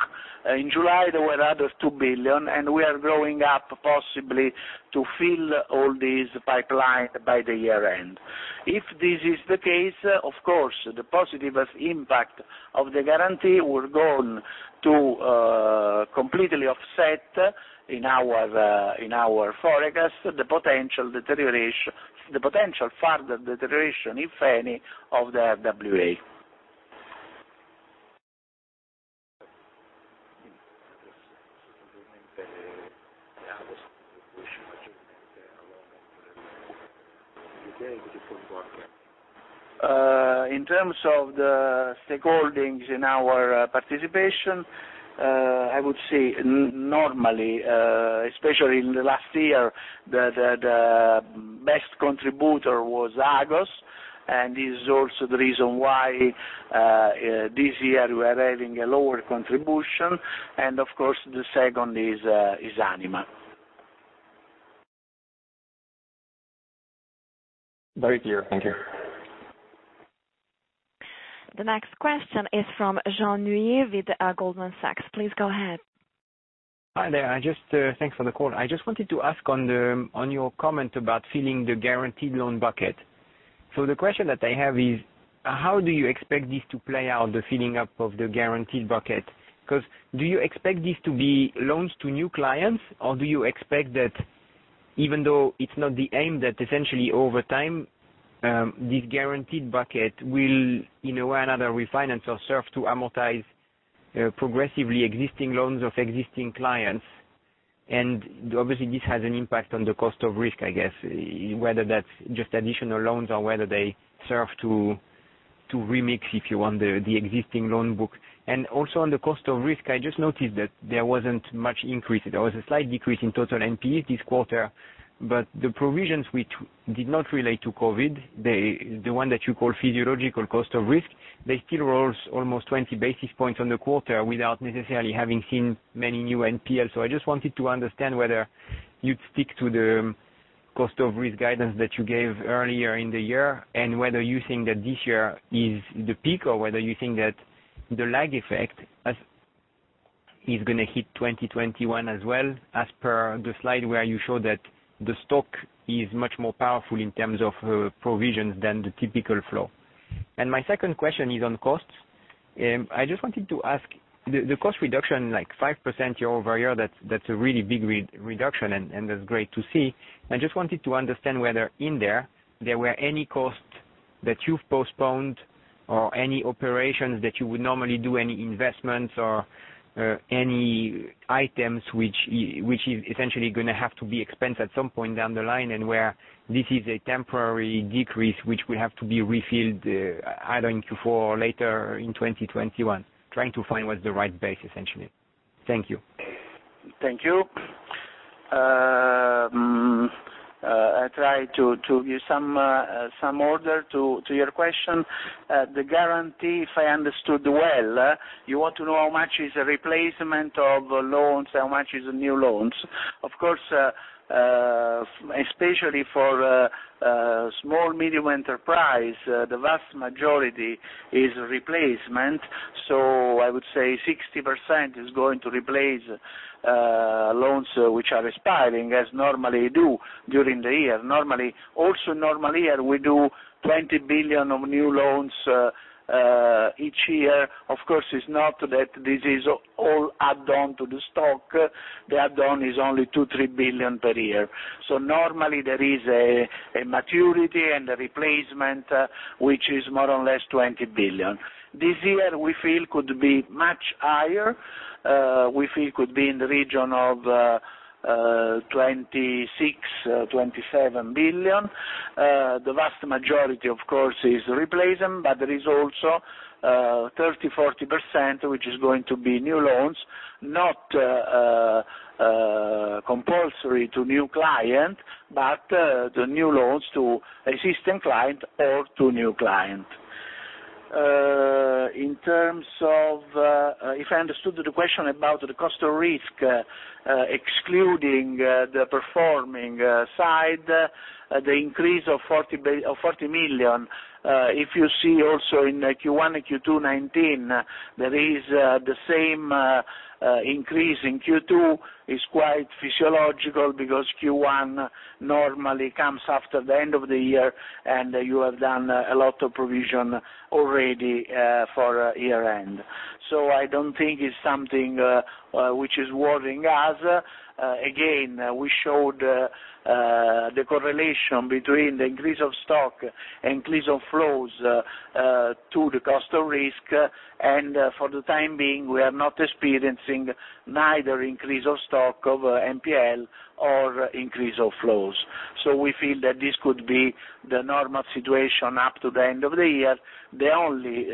In July, there were other 2 billion, and we are growing up possibly to fill all these pipeline by the year-end. If this is the case, of course, the positive impact of the guarantee will go on to completely offset in our forecast, the potential further deterioration, if any, of the RWA. In terms of the stakeholdings in our participation, I would say normally, especially in the last year, the best contributor was Agos, and this is also the reason why this year we are having a lower contribution. Of course, the second is Anima. Very clear. Thank you. The next question is from Jean-François Neuez with Goldman Sachs. Please go ahead. Hi there. Thanks for the call. I just wanted to ask on your comment about filling the guaranteed loan bucket. The question that I have is, how do you expect this to play out, the filling up of the guaranteed bucket? Do you expect this to be loans to new clients, or do you expect that even though it's not the aim that essentially over time, this guaranteed bucket will, in one way or another, refinance or serve to amortize progressively existing loans of existing clients? Obviously, this has an impact on the cost of risk, I guess, whether that's just additional loans or whether they serve to remix, if you want, the existing loan book. Also on the cost of risk, I just noticed that there wasn't much increase. There was a slight decrease in total NPE this quarter, but the provisions which did not relate to COVID, the one that you call physiological cost of risk, they still rose almost 20 basis points on the quarter without necessarily having seen many new NPL. I just wanted to understand whether you'd stick to the cost of risk guidance that you gave earlier in the year, and whether you think that this year is the peak, or whether you think that the lag effect is going to hit 2021 as well, as per the slide where you show that the stock is much more powerful in terms of provisions than the typical flow. My second question is on costs. I just wanted to ask, the cost reduction, 5% year-over-year, that's a really big reduction, and that's great to see. I just wanted to understand whether in there were any costs that you've postponed or any operations that you would normally do, any investments or any items which is essentially going to have to be expensed at some point down the line, and where this is a temporary decrease, which will have to be refilled either in Q4 or later in 2021. Trying to find what's the right base, essentially. Thank you. Thank you. I try to give some order to your question. The guarantee, if I understood well. You want to know how much is a replacement of loans, how much is new loans? Of course, especially for small, medium enterprise, the vast majority is replacement. I would say 60% is going to replace loans which are expiring as normally do during the year. Also normally we do 20 billion of new loans each year. Of course, it's not that this is all add-on to the stock. The add-on is only 2 billion-3 billion per year. Normally there is a maturity and a replacement, which is more or less 20 billion. This year, we feel could be much higher. We feel could be in the region of 26 billion-27 billion. The vast majority, of course, is replacement. There is also 30%-40%, which is going to be new loans, not compulsory to new client, but the new loans to existing client or to new client. If I understood the question about the cost of risk, excluding the performing side, the increase of 40 million, if you see also in Q1 and Q2 2019, there is the same increase in Q2. Is quite physiological because Q1 normally comes after the end of the year, and you have done a lot of provision already for year-end. I don't think it's something which is worrying us. Again, we showed the correlation between the increase of stock, increase of flows to the cost of risk, and for the time being, we are not experiencing neither increase of stock of NPL or increase of flows. We feel that this could be the normal situation up to the end of the year. The only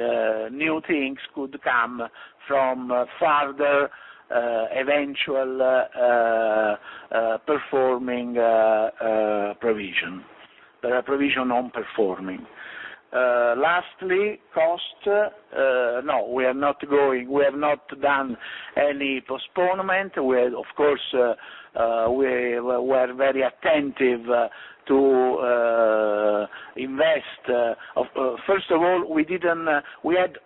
new things could come from further eventual performing provision. There are provision on performing. Lastly, cost. No, we have not done any postponement. Of course, we were very attentive to invest. First of all, we had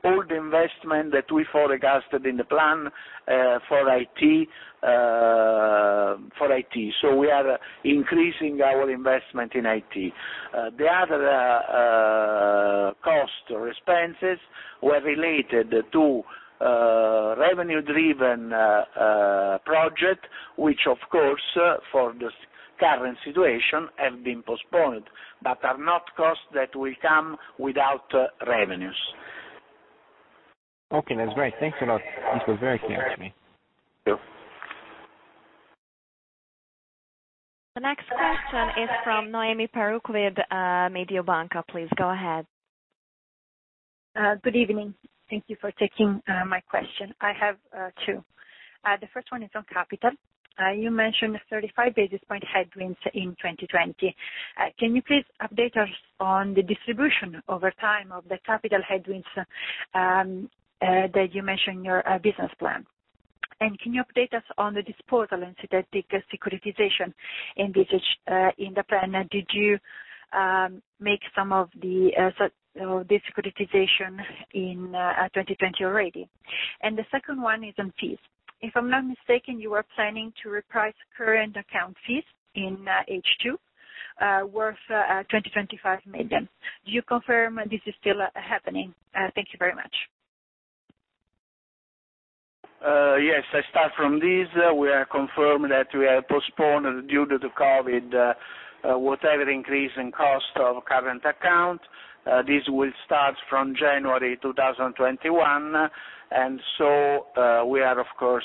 all the investment that we forecasted in the plan for IT. We are increasing our investment in IT. The other cost or expenses were related to revenue-driven project, which of course, for the current situation, have been postponed, but are not costs that will come without revenues. Okay, that's great. Thanks a lot. This was very clear to me. Thank you. The next question is from Noemi Peruch with Mediobanca. Please go ahead. Good evening. Thank you for taking my question. I have two. The first one is on capital. You mentioned 35 basis point headwinds in 2020. Can you please update us on the distribution over time of the capital headwinds that you mentioned in your business plan? Can you update us on the disposal and strategic securitization envisaged in the plan? Did you make some of the securitization in 2020 already? The second one is on fees. If I'm not mistaken, you are planning to reprice current account fees in H2 worth 20 to 25 million. Do you confirm this is still happening? Thank you very much. Yes. I start from this. We are confirmed that we are postponed due to the COVID, whatever increase in cost of current account. This will start from January 2021. We are, of course,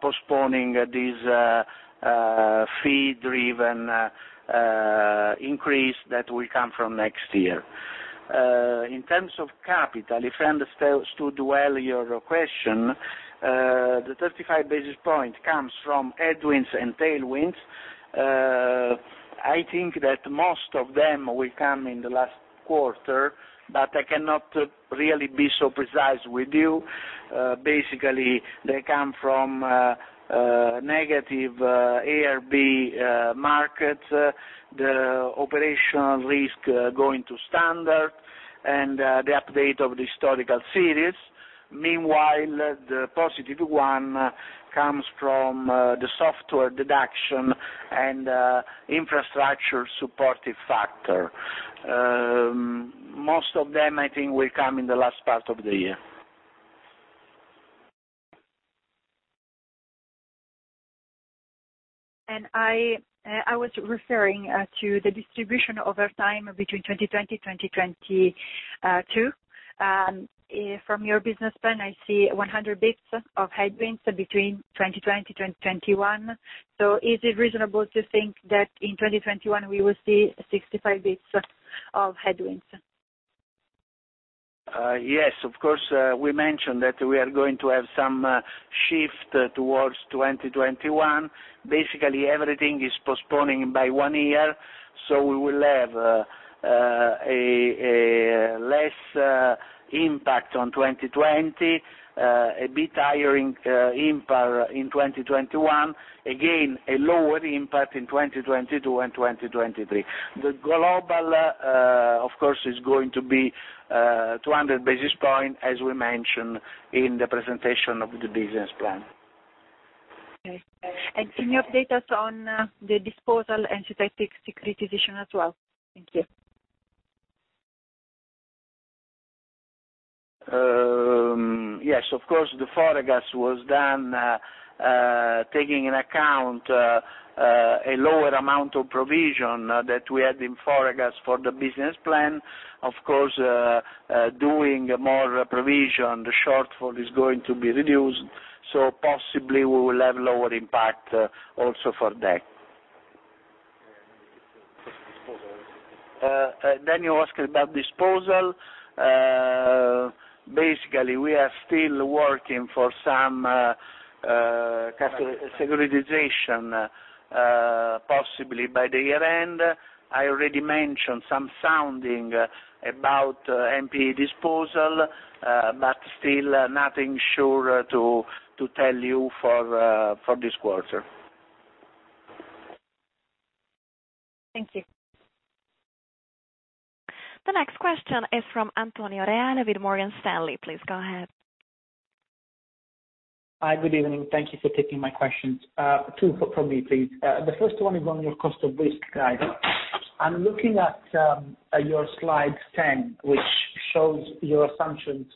postponing this fee-driven increase that will come from next year. In terms of capital, if I understood well your question, the 35 basis point comes from headwinds and tailwinds. I think that most of them will come in the last quarter, I cannot really be so precise with you. Basically, they come from negative AIRB market, the operational risk going to standard, and the update of the historical series. Meanwhile, the positive one comes from the software deduction and infrastructure supportive factor. Most of them, I think, will come in the last part of the year. I was referring to the distribution over time between 2020, 2022. From your business plan, I see 100 basis points of headwinds between 2020, 2021. Is it reasonable to think that in 2021 we will see 65 basis points of headwinds? Yes, of course. We mentioned that we are going to have some shift towards 2021. Basically, everything is postponing by one year. We will have a less impact on 2020, a bit higher impact in 2021, again, a lower impact in 2022 and 2023. The global, of course, is going to be 200 basis points, as we mentioned in the presentation of the business plan. Okay. Can you update us on the disposal and strategic securitization as well? Thank you. Yes, of course. The forecast was done taking into account a lower amount of provision that we had in forecast for the business plan. Of course, doing more provision, the shortfall is going to be reduced, so possibly we will have lower impact also for that. You ask about disposal. Basically, we are still working for some securitization, possibly by the year-end. I already mentioned some sounding about NPE disposal, but still nothing sure to tell you for this quarter. Thank you. The next question is from Antonio Reale with Morgan Stanley. Please go ahead. Hi. Good evening. Thank you for taking my questions. Two from me, please. The first one is on your cost of risk guidance. I'm looking at your slide 10, which shows your assumptions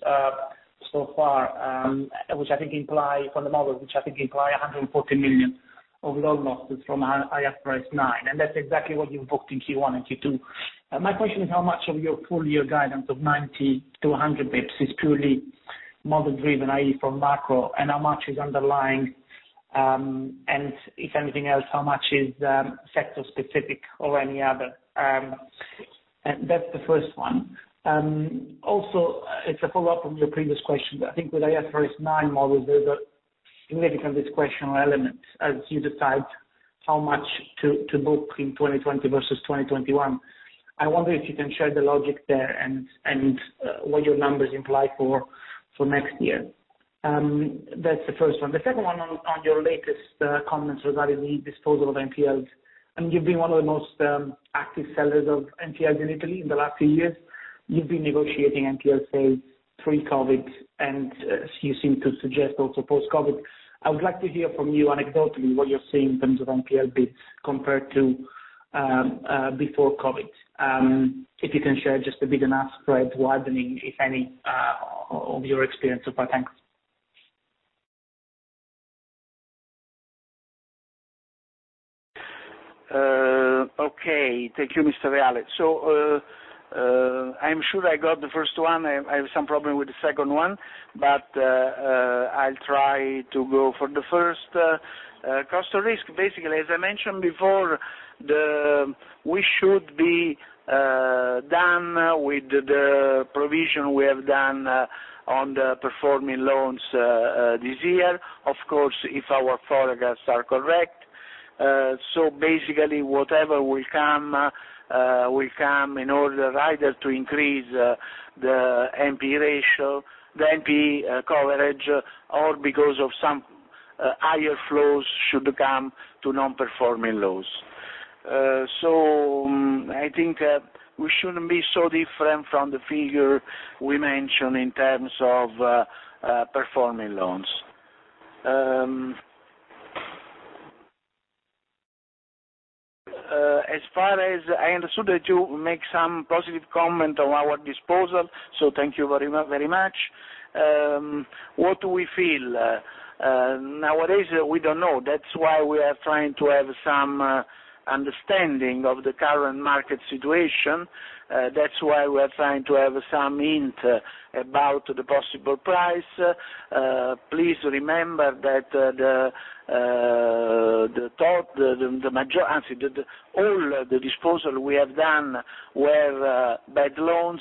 so far, from the model, which I think imply 140 million of loan losses from IFRS 9, and that's exactly what you've booked in Q1 and Q2. My question is, how much of your full year guidance of 90-100 basis points is purely model-driven, i.e., from macro, and how much is underlying, and if anything else, how much is sector-specific or any other? That's the first one. Also, it's a follow-up from your previous question, but I think with IFRS 9 models, there's a significant discretionary element as you decide how much to book in 2020 versus 2021. I wonder if you can share the logic there and what your numbers imply for next year. That's the first one. The second one on your latest comments regarding the disposal of NPLs, and you've been one of the most active sellers of NPLs in Italy in the last few years. You've been negotiating NPL sale pre-COVID, and you seem to suggest also post-COVID. I would like to hear from you anecdotally what you're seeing in terms of NPL bids compared to before COVID. If you can share just a bit on spread widening, if any, of your experience so far. Thanks. Okay. Thank you, Mr. Reale. I'm sure I got the first one. I have some problem with the second one, but I'll try to go for the first. Cost of risk, basically, as I mentioned before, we should be done with the provision we have done on the performing loans this year. Of course, if our forecasts are correct. Basically, whatever will come, will come in order either to increase the NPE coverage or because of some higher flows should come to non-performing loans. I think we shouldn't be so different from the figure we mentioned in terms of performing loans. As far as I understood that you make some positive comment on our disposal, so thank you very much. What do we feel? Nowadays, we don't know. That's why we are trying to have some understanding of the current market situation. That's why we are trying to have some hint about the possible price. Please remember that all the disposal we have done were bad loans.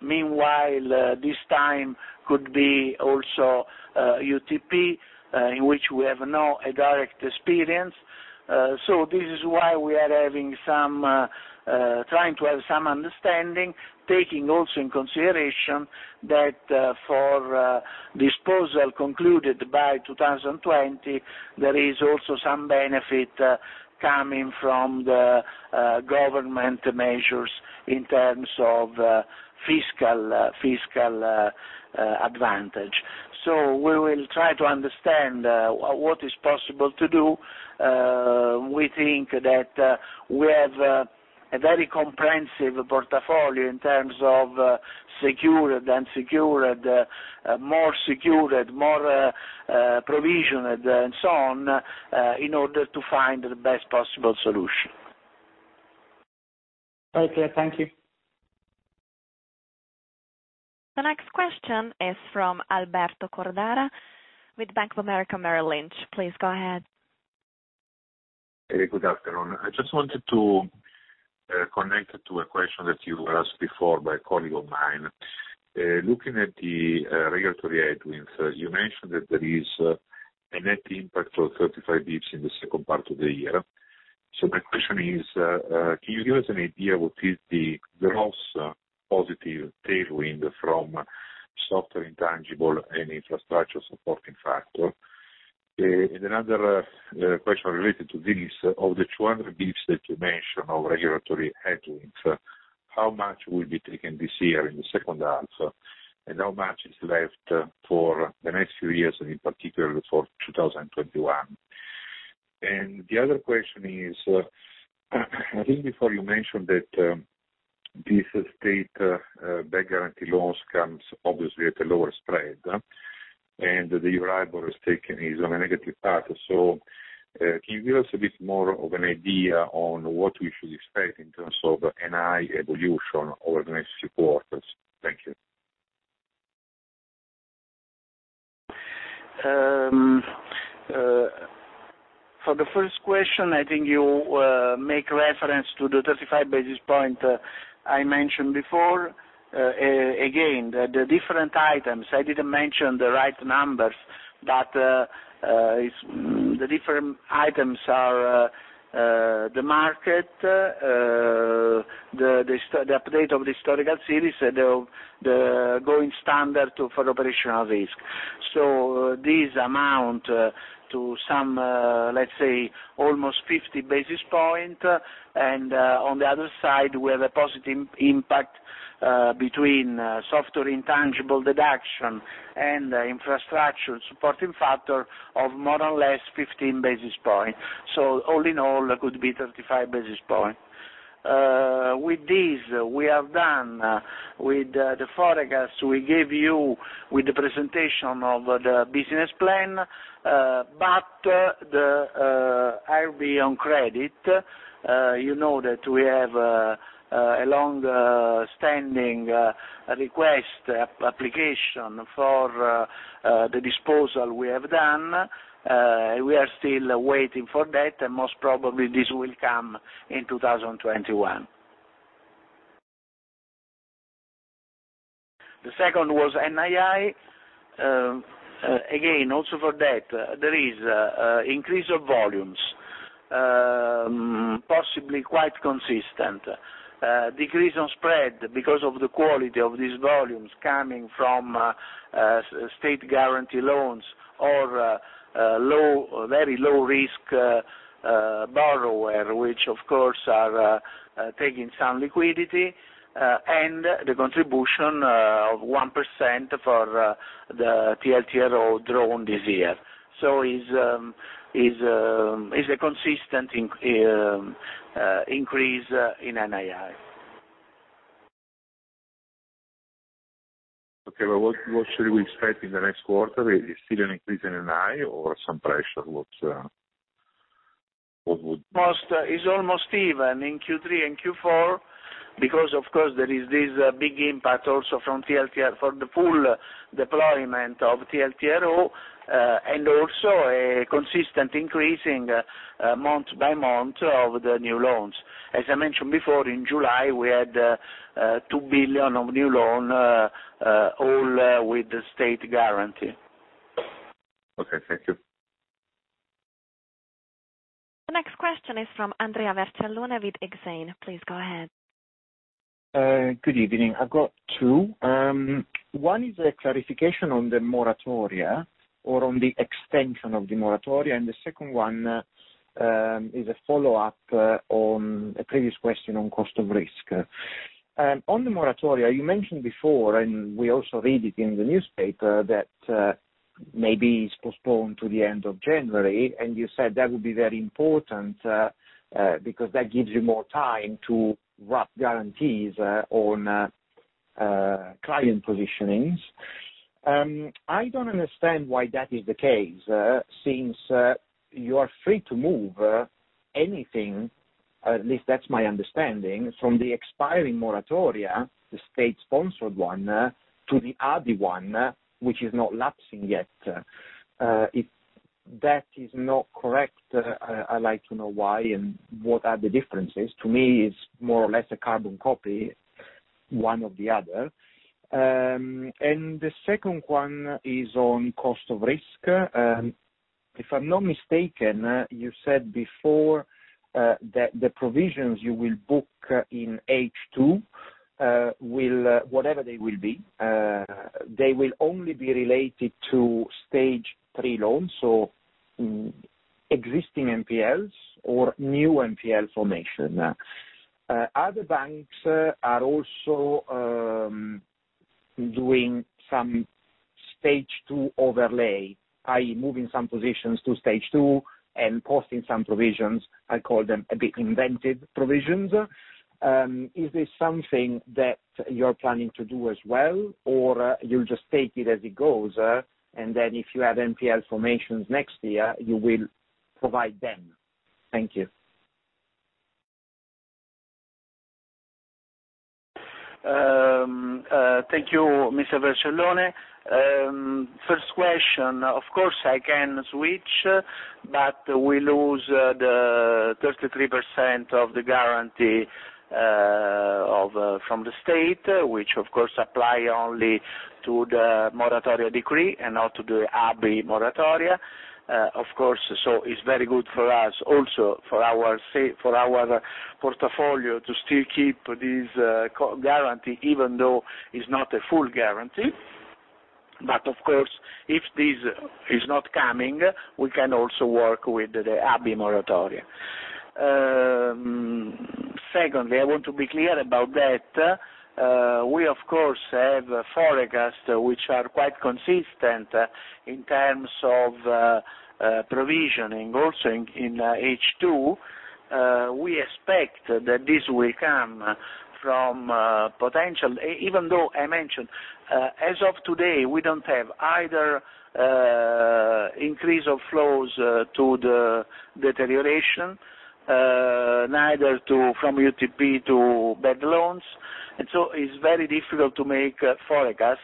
This time could be also UTP, in which we have no direct experience. This is why we are trying to have some understanding, taking also in consideration that for disposal concluded by 2020, there is also some benefit coming from the government measures in terms of fiscal advantage. We will try to understand what is possible to do. We think that we have a very comprehensive portfolio in terms of secured, unsecured, more secured, more provisioned, and so on, in order to find the best possible solution. Quite clear. Thank you. The next question is from Alberto Cordara with Bank of America Merrill Lynch. Please go ahead. Good afternoon. I just wanted to connect to a question that you were asked before by a colleague of mine. Looking at the regulatory headwinds, you mentioned that there is a net impact of 35 bps in the second part of the year. My question is, can you give us an idea what is the gross positive tailwind from software intangible and infrastructure supporting factor? Another question related to this, of the 200 bps that you mentioned of regulatory headwinds, how much will be taken this year in the second half, and how much is left for the next few years, and in particular for 2021? The other question is, I think before you mentioned that this state-backed guarantee loans comes obviously at a lower spread, and the IRR is taken on a negative path. Can you give us a bit more of an idea on what we should expect in terms of NII evolution over the next few quarters? Thank you. For the first question, I think you make reference to the 35 basis points I mentioned before. Again, the different items, I didn't mention the right numbers, but the different items are the market, the update of the historical series, and the going standard for operational risk. This amount to some, let's say, almost 50 basis points. On the other side, we have a positive impact between software intangible deduction and infrastructure supporting factor of more or less 15 basis points. All in all, it could be 35 basis points. With this, we are done with the forecast we gave you with the presentation of the business plan. The RWA on credit, you know that we have a long-standing request application for the disposal we have done. We are still waiting for that, and most probably this will come in 2021. The second was NII. Again, also for that, there is increase of volumes, possibly quite consistent. Decrease on spread because of the quality of these volumes coming from state guarantee loans or very low risk borrower, which of course are taking some liquidity, and the contribution of 1% for the TLTRO drawn this year. Is a consistent increase in NII. Okay. What should we expect in the next quarter? Is it still an increase in NII or some pressure? It's almost even in Q3 and Q4 because, of course, there is this big impact also from the full deployment of TLTRO, and also a consistent increasing month by month of the new loans. As I mentioned before, in July, we had 2 billion of new loan, all with the state guarantee. Okay. Thank you. The next question is from Andrea Vercellone with Exane. Please go ahead. Good evening. I've got two. One is a clarification on the moratoria or on the extension of the moratoria, and the second one is a follow-up on a previous question on cost of risk. On the moratoria, you mentioned before, and we also read it in the newspaper, that maybe it's postponed to the end of January, and you said that would be very important, because that gives you more time to wrap guarantees on client positionings. I don't understand why that is the case, since you are free to move anything, at least that's my understanding, from the expiring moratoria, the state-sponsored one, to the other one, which is not lapsing yet. If that is not correct, I'd like to know why and what are the differences. To me, it's more or less a carbon copy, one of the other. The second one is on cost of risk. If I'm not mistaken, you said before, that the provisions you will book in H2, whatever they will be, they will only be related to Stage 3 loans, so existing NPLs or new NPL formation. Other banks are also doing some Stage 2 overlay, i.e., moving some positions to Stage 2 and posting some provisions. I call them a bit inventive provisions. Is this something that you're planning to do as well, or you'll just take it as it goes, and then if you have NPL formations next year, you will provide them? Thank you. Thank you, Mr. Vercellone. First, of course, I can switch, but we lose the 33% of the guarantee from the state, which of course apply only to the moratoria decree and not to the ABI moratoria. Of course, it's very good for us also, for our portfolio to still keep this guarantee, even though it's not a full guarantee. Of course, if this is not coming, we can also work with the ABI moratoria. Secondly, I want to be clear about that. We of course have forecasts which are quite consistent in terms of provisioning. Also in H2, we expect that this will come from potential. Even though I mentioned, as of today, we don't have either increase of flows to the deterioration, neither from UTP to bad loans. It's very difficult to make forecasts.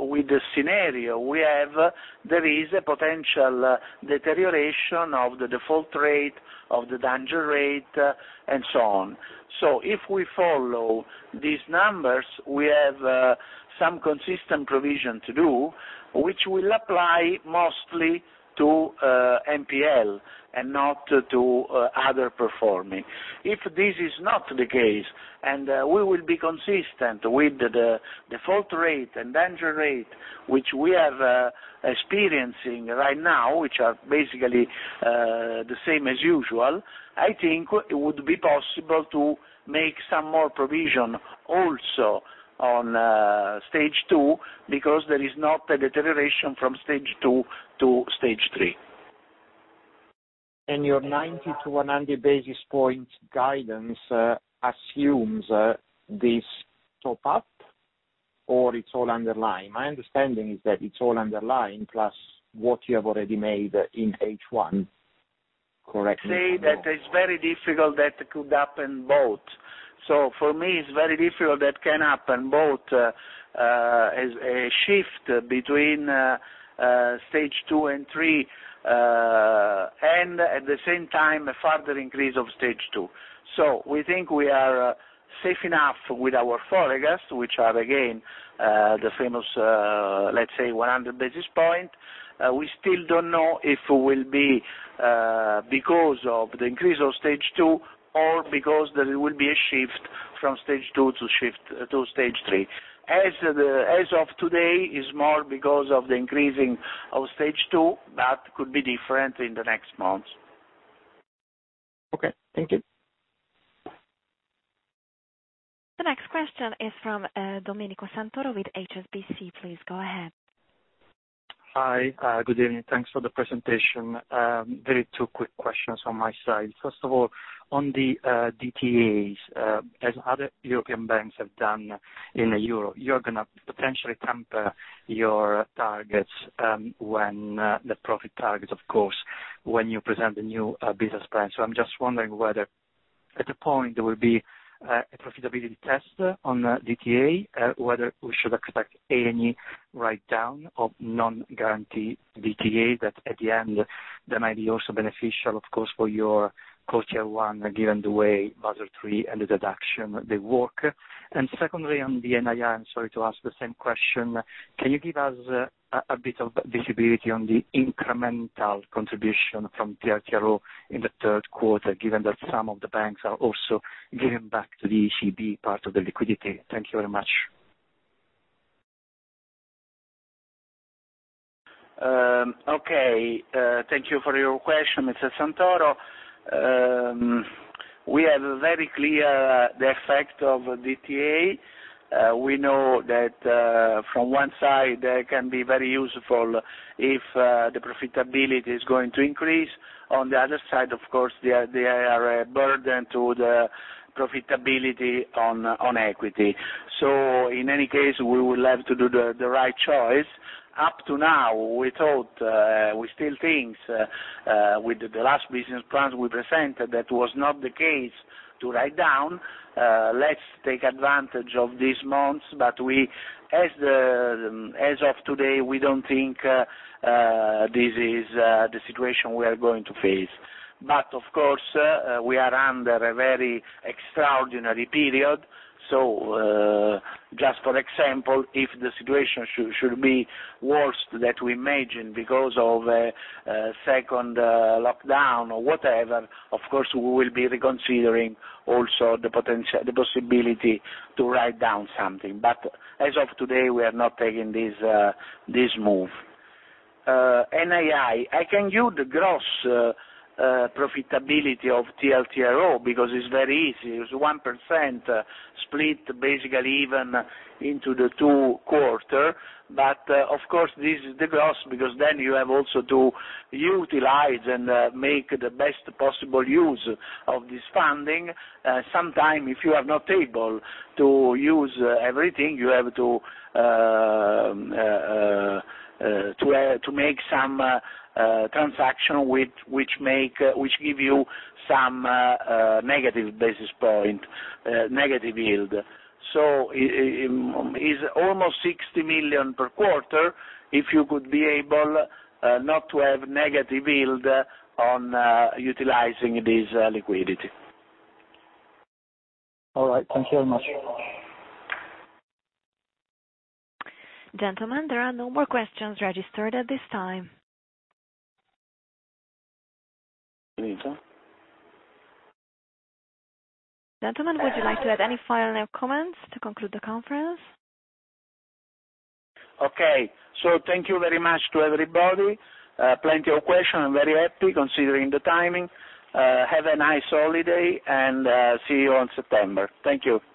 With the scenario we have, there is a potential deterioration of the default rate, of the danger rate, and so on. If we follow these numbers, we have some consistent provision to do, which will apply mostly to NPL, and not to other performing. If this is not the case, and we will be consistent with the default rate and danger rate, which we are experiencing right now, which are basically the same as usual, I think it would be possible to make some more provision also on stage 2, because there is not a deterioration from stage 2 to stage 3. Your 90-100 basis point guidance assumes this top-up, or it's all underlying? My understanding is that it's all underlying, plus what you have already made in H1. Correct me if I'm wrong. Say that it's very difficult that could happen both. For me, it's very difficult that can happen both as a shift between stage 2 and 3, and at the same time, a further increase of stage 2. We think we are safe enough with our forecasts, which are again, the famous, let's say 100 basis point. We still don't know if it will be because of the increase of stage 2 or because there will be a shift from stage 2 to stage 3. As of today, it's more because of the increasing of stage 2, but could be different in the next months. Okay. Thank you. The next question is from Domenico Santoro with HSBC. Please go ahead. Hi. Good evening. Thanks for the presentation. Very two quick questions from my side. First of all, on the DTAs, as other European banks have done in the Euro, you're going to potentially temper your targets, the profit targets, of course, when you present the new business plan. I'm just wondering whether at a point there will be a profitability test on DTA, whether we should expect any write-down of non-guarantee DTA that at the end that might be also beneficial, of course, for your Core Tier 1, given the way Basel III and the deduction they work. Secondly, on the NII, I'm sorry to ask the same question. Can you give us a bit of visibility on the incremental contribution from TLTRO in the third quarter, given that some of the banks are also giving back to the ECB part of the liquidity? Thank you very much. Okay. Thank you for your question, Mr. Santoro. We have a very clear the effect of DTA. We know that from one side, they can be very useful if the profitability is going to increase. On the other side, of course, they are a burden to the profitability on equity. In any case, we will have to do the right choice. Up to now, we thought, we still think, with the last business plans we presented, that was not the case to write down. Let's take advantage of these months. As of today, we don't think this is the situation we are going to face. Of course, we are under a very extraordinary period. Just for example, if the situation should be worse than we imagine because of a second lockdown or whatever, of course, we will be reconsidering also the possibility to write down something. As of today, we are not taking this move. NII, I can give the gross profitability of TLTRO because it's very easy. It's 1% split basically even into the two quarter. Of course, this is the gross because you have also to utilize and make the best possible use of this funding. Sometime if you are not able to use everything, you have to make some transaction which give you some negative basis point, negative yield. It's almost 60 million per quarter if you could be able not to have negative yield on utilizing this liquidity. All right. Thank you very much. Gentlemen, there are no more questions registered at this time. Anita? Gentlemen, would you like to add any final comments to conclude the conference? Okay. Thank you very much to everybody. Plenty of questions. I'm very happy considering the timing. Have a nice holiday, and see you on September. Thank you.